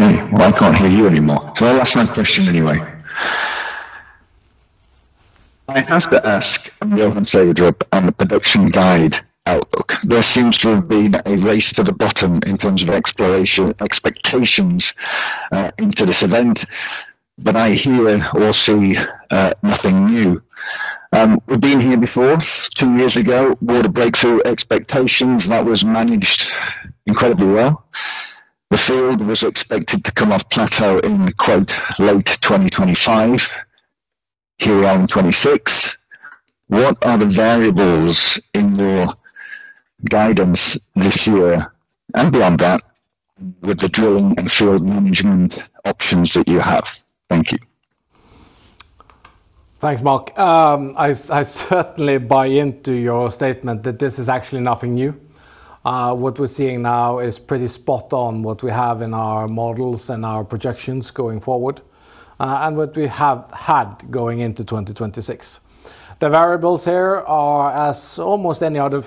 Okay. Well, I can't hear you anymore. So I'll ask my question anyway. I have to ask on Johan Sverdrup and the production guide outlook. There seems to have been a race to the bottom in terms of expectations into this event but I hear or see nothing new. We've been here before. Two years ago were the breakthrough expectations that was managed incredibly well. The field was expected to come off plateau in "late 2025". Here we are in 2026. What are the variables in your guidance this year and beyond that with the drilling and field management options that you have? Thank you. Thanks Mark. I certainly buy into your statement that this is actually nothing new. What we're seeing now is pretty spot on what we have in our models and our projections going forward and what we have had going into 2026. The variables here are as almost any other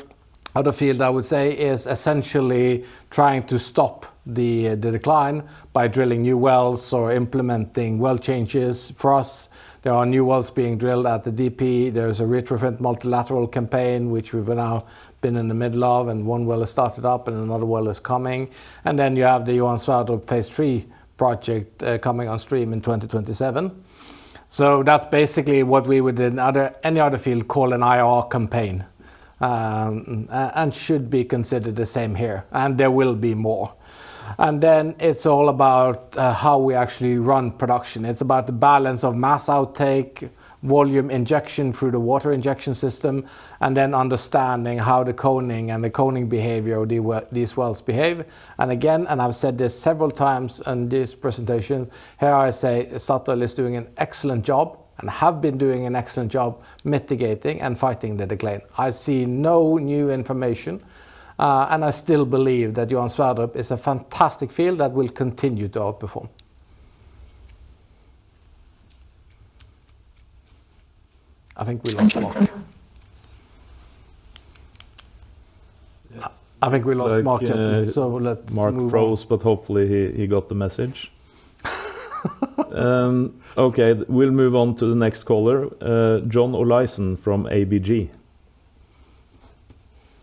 field I would say is essentially trying to stop the decline by drilling new wells or implementing well changes. For us there are new wells being drilled at the DP. There's a retrofit multilateral campaign which we've now been in the middle of and one well has started up and another well is coming. And then you have the Johan Sverdrup Phase 3 project coming on stream in 2027. So that's basically what we would in any other field call an IR campaign and should be considered the same here. And there will be more. And then it's all about how we actually run production. It's about the balance of mass outtake, volume injection through the water injection system, and then understanding how the coning and the coning behaviour of these wells behave. And again, I've said this several times in this presentation. Here I say Statoil is doing an excellent job and have been doing an excellent job mitigating and fighting the decline. I see no new information and I still believe that Johan Sverdrup is a fantastic field that will continue to outperform. I think we lost Mark. I think we lost Mark. Kjetil, so let's- Mark froze but hopefully he got the message. Okay. We'll move on to the next caller. John Olaisen from ABG.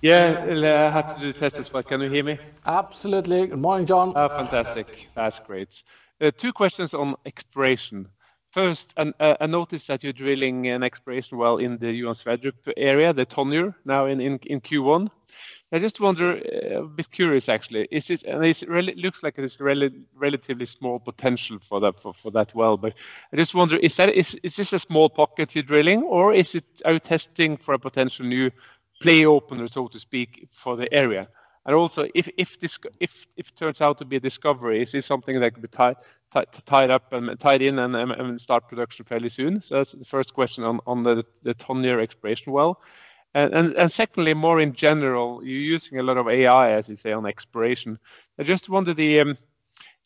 Yeah. I had to do tests but can you hear me? Absolutely. Good morning, John. Fantastic. That's great. Two questions on exploration. First, a notice that you're drilling an exploration well in the Johan Sverdrup area. The Tonjer now in Q1. I just wonder, a bit curious actually. Is it, and it looks like it is, relatively small potential for that well, but I just wonder, is that is this a small pocket you're drilling or is it outtesting for a potential new play opener, so to speak, for the area? And also, if this if turns out to be a discovery, is this something that could be tied up and tied in and start production fairly soon? So that's the first question on the Tonjer exploration well. And secondly, more in general, you're using a lot of AI, as you say, on exploration. I just wonder the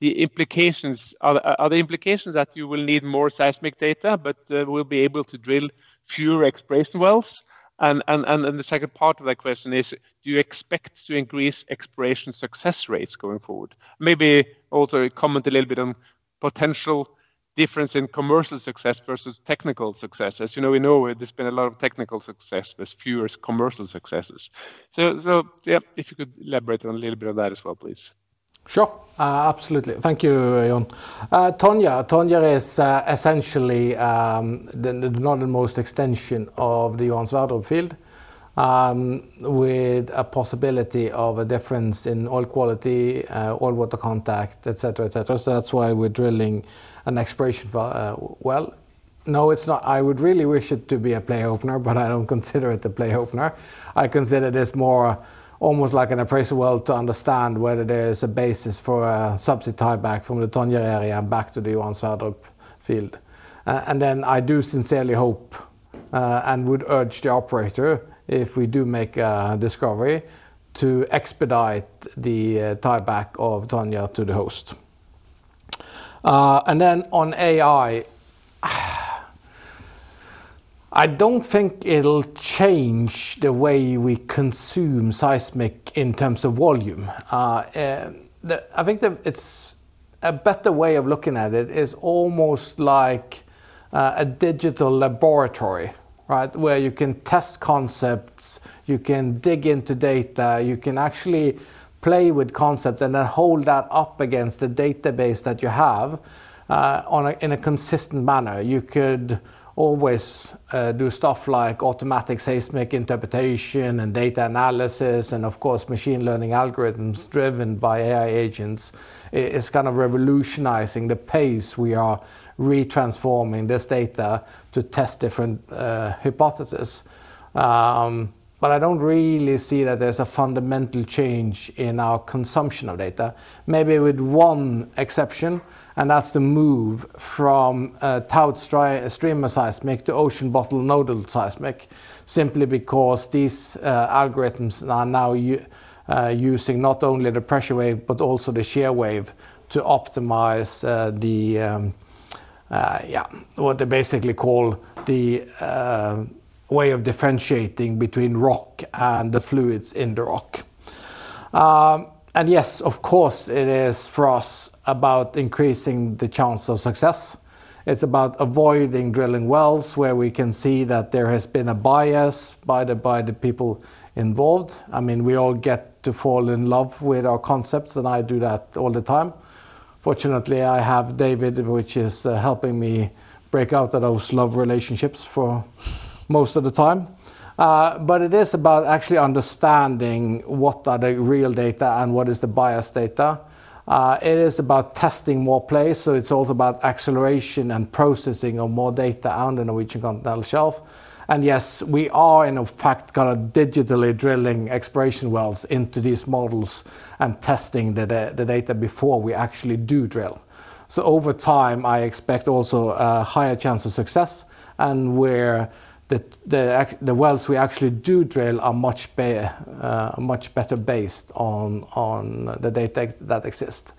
implications. Are there implications that you will need more seismic data but will be able to drill fewer exploration wells? And the second part of that question is, do you expect to increase exploration success rates going forward? Maybe also comment a little bit on potential difference in commercial success versus technical success. As you know we know there's been a lot of technical success but fewer commercial successes. So yeah if you could elaborate on a little bit of that as well please. Sure. Absolutely. Thank you John. Tonjer is essentially the northernmost extension of the Johan Sverdrup field with a possibility of a difference in oil quality, oil-water contact, etc. etc. So that's why we're drilling an exploration well. No it's not I would really wish it to be a play opener but I don't consider it a play opener. I consider this more almost like an appraisal well to understand whether there is a basis for a subsea tie-back from the Tonjer area and back to the Johan Sverdrup field. And then I do sincerely hope and would urge the operator if we do make a discovery to expedite the tie-back of Tonjer to the host. And then on AI I don't think it'll change the way we consume seismic in terms of volume. I think it's a better way of looking at it is almost like a digital laboratory right? Where you can test concepts, you can dig into data, you can actually play with concepts and then hold that up against the database that you have in a consistent manner. You could always do stuff like automatic seismic interpretation and data analysis and of course machine learning algorithms driven by AI agents is kind of revolutionizing the pace we are retransforming this data to test different hypotheses. But I don't really see that there's a fundamental change in our consumption of data. Maybe with one exception, and that's the move from towed streamer seismic to ocean bottom nodal seismic simply because these algorithms are now using not only the pressure wave but also the shear wave to optimize the yeah what they basically call the way of differentiating between rock and the fluids in the rock. Yes, of course it is for us about increasing the chance of success. It's about avoiding drilling wells where we can see that there has been a bias by the people involved. I mean we all get to fall in love with our concepts and I do that all the time. Fortunately I have David which is helping me break out of those love relationships for most of the time. But it is about actually understanding what are the real data and what is the biased data. It is about testing more play so it's also about acceleration and processing of more data on the Norwegian Continental Shelf. Yes we are in fact kind of digitally drilling exploration wells into these models and testing the data before we actually do drill. Over time I expect also a higher chance of success and where the wells we actually do drill are much better based on the data that exists.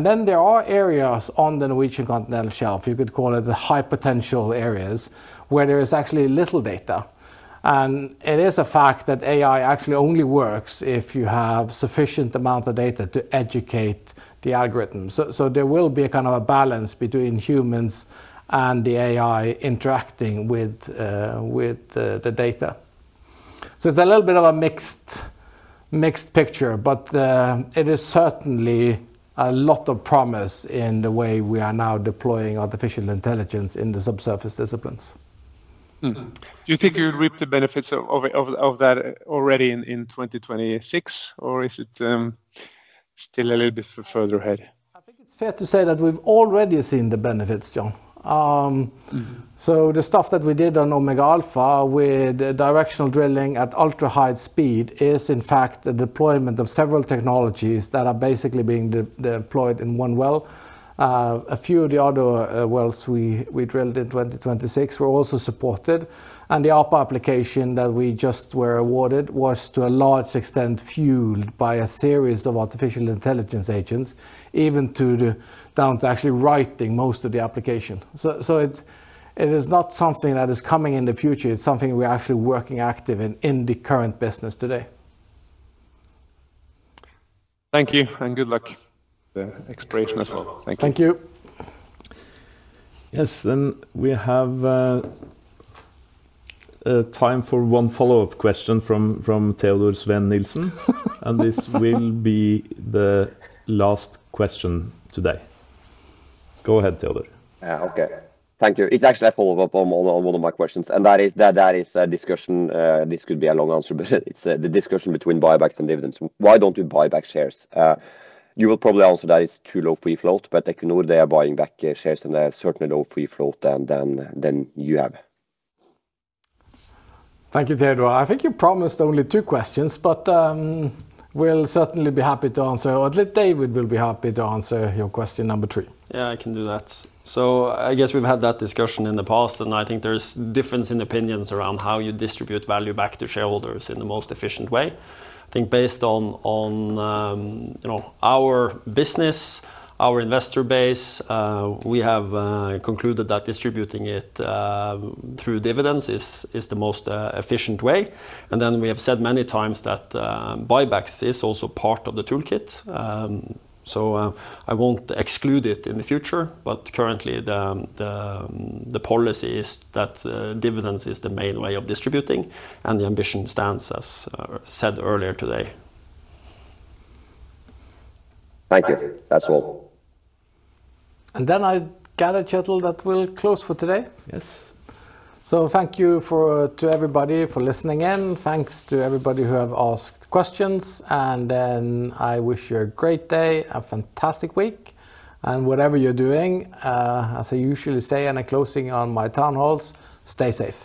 Then there are areas on the Norwegian Continental Shelf you could call it the high potential areas where there is actually little data. It is a fact that AI actually only works if you have sufficient amount of data to educate the algorithm. There will be a kind of a balance between humans and the AI interacting with the data. So it's a little bit of a mixed picture but it is certainly a lot of promise in the way we are now deploying artificial intelligence in the subsurface disciplines. Do you think you'll reap the benefits of that already in 2026 or is it still a little bit further ahead? I think it's fair to say that we've already seen the benefits John. So the stuff that we did on Omega Alfa with directional drilling at ultra-high speed is in fact the deployment of several technologies that are basically being deployed in one well. A few of the other wells we drilled in 2026 were also supported. And the APA application that we just were awarded was to a large extent fueled by a series of artificial intelligence agents even to the down to actually writing most of the application. So it is not something that is coming in the future. It's something we're actually working active in the current business today. Thank you and good luck. The exploration as well. Thank you. Thank you. Yes, then we have time for one follow-up question from Teodor Sveen-Nilsen, and this will be the last question today. Go ahead, Teodor. Okay. Thank you. It's actually a follow-up on one of my questions, and that is a discussion. This could be a long answer, but it's the discussion between buybacks and dividends. Why don't you buy back shares? You will probably answer that it's too low free float, but Equinor, they are buying back shares, and they have certainly low free float than you have. Thank you, Teodor. I think you promised only two questions, but we'll certainly be happy to answer. Or at least David will be happy to answer your question number three Yeah, I can do that. So I guess we've had that discussion in the past and I think there's difference in opinions around how you distribute value back to shareholders in the most efficient way. I think based on our business, our investor base, we have concluded that distributing it through dividends is the most efficient way. And then we have said many times that buybacks is also part of the toolkit. So I won't exclude it in the future but currently the policy is that dividends is the main way of distributing and the ambition stands as said earlier today. Thank you. That's all. And then I gather, Kjetil, that we'll close for today. Yes. So thank you to everybody for listening in. Thanks to everybody who have asked questions. And then I wish you a great day, a fantastic week, and whatever you're doing, as I usually say in a closing on my town halls, stay safe.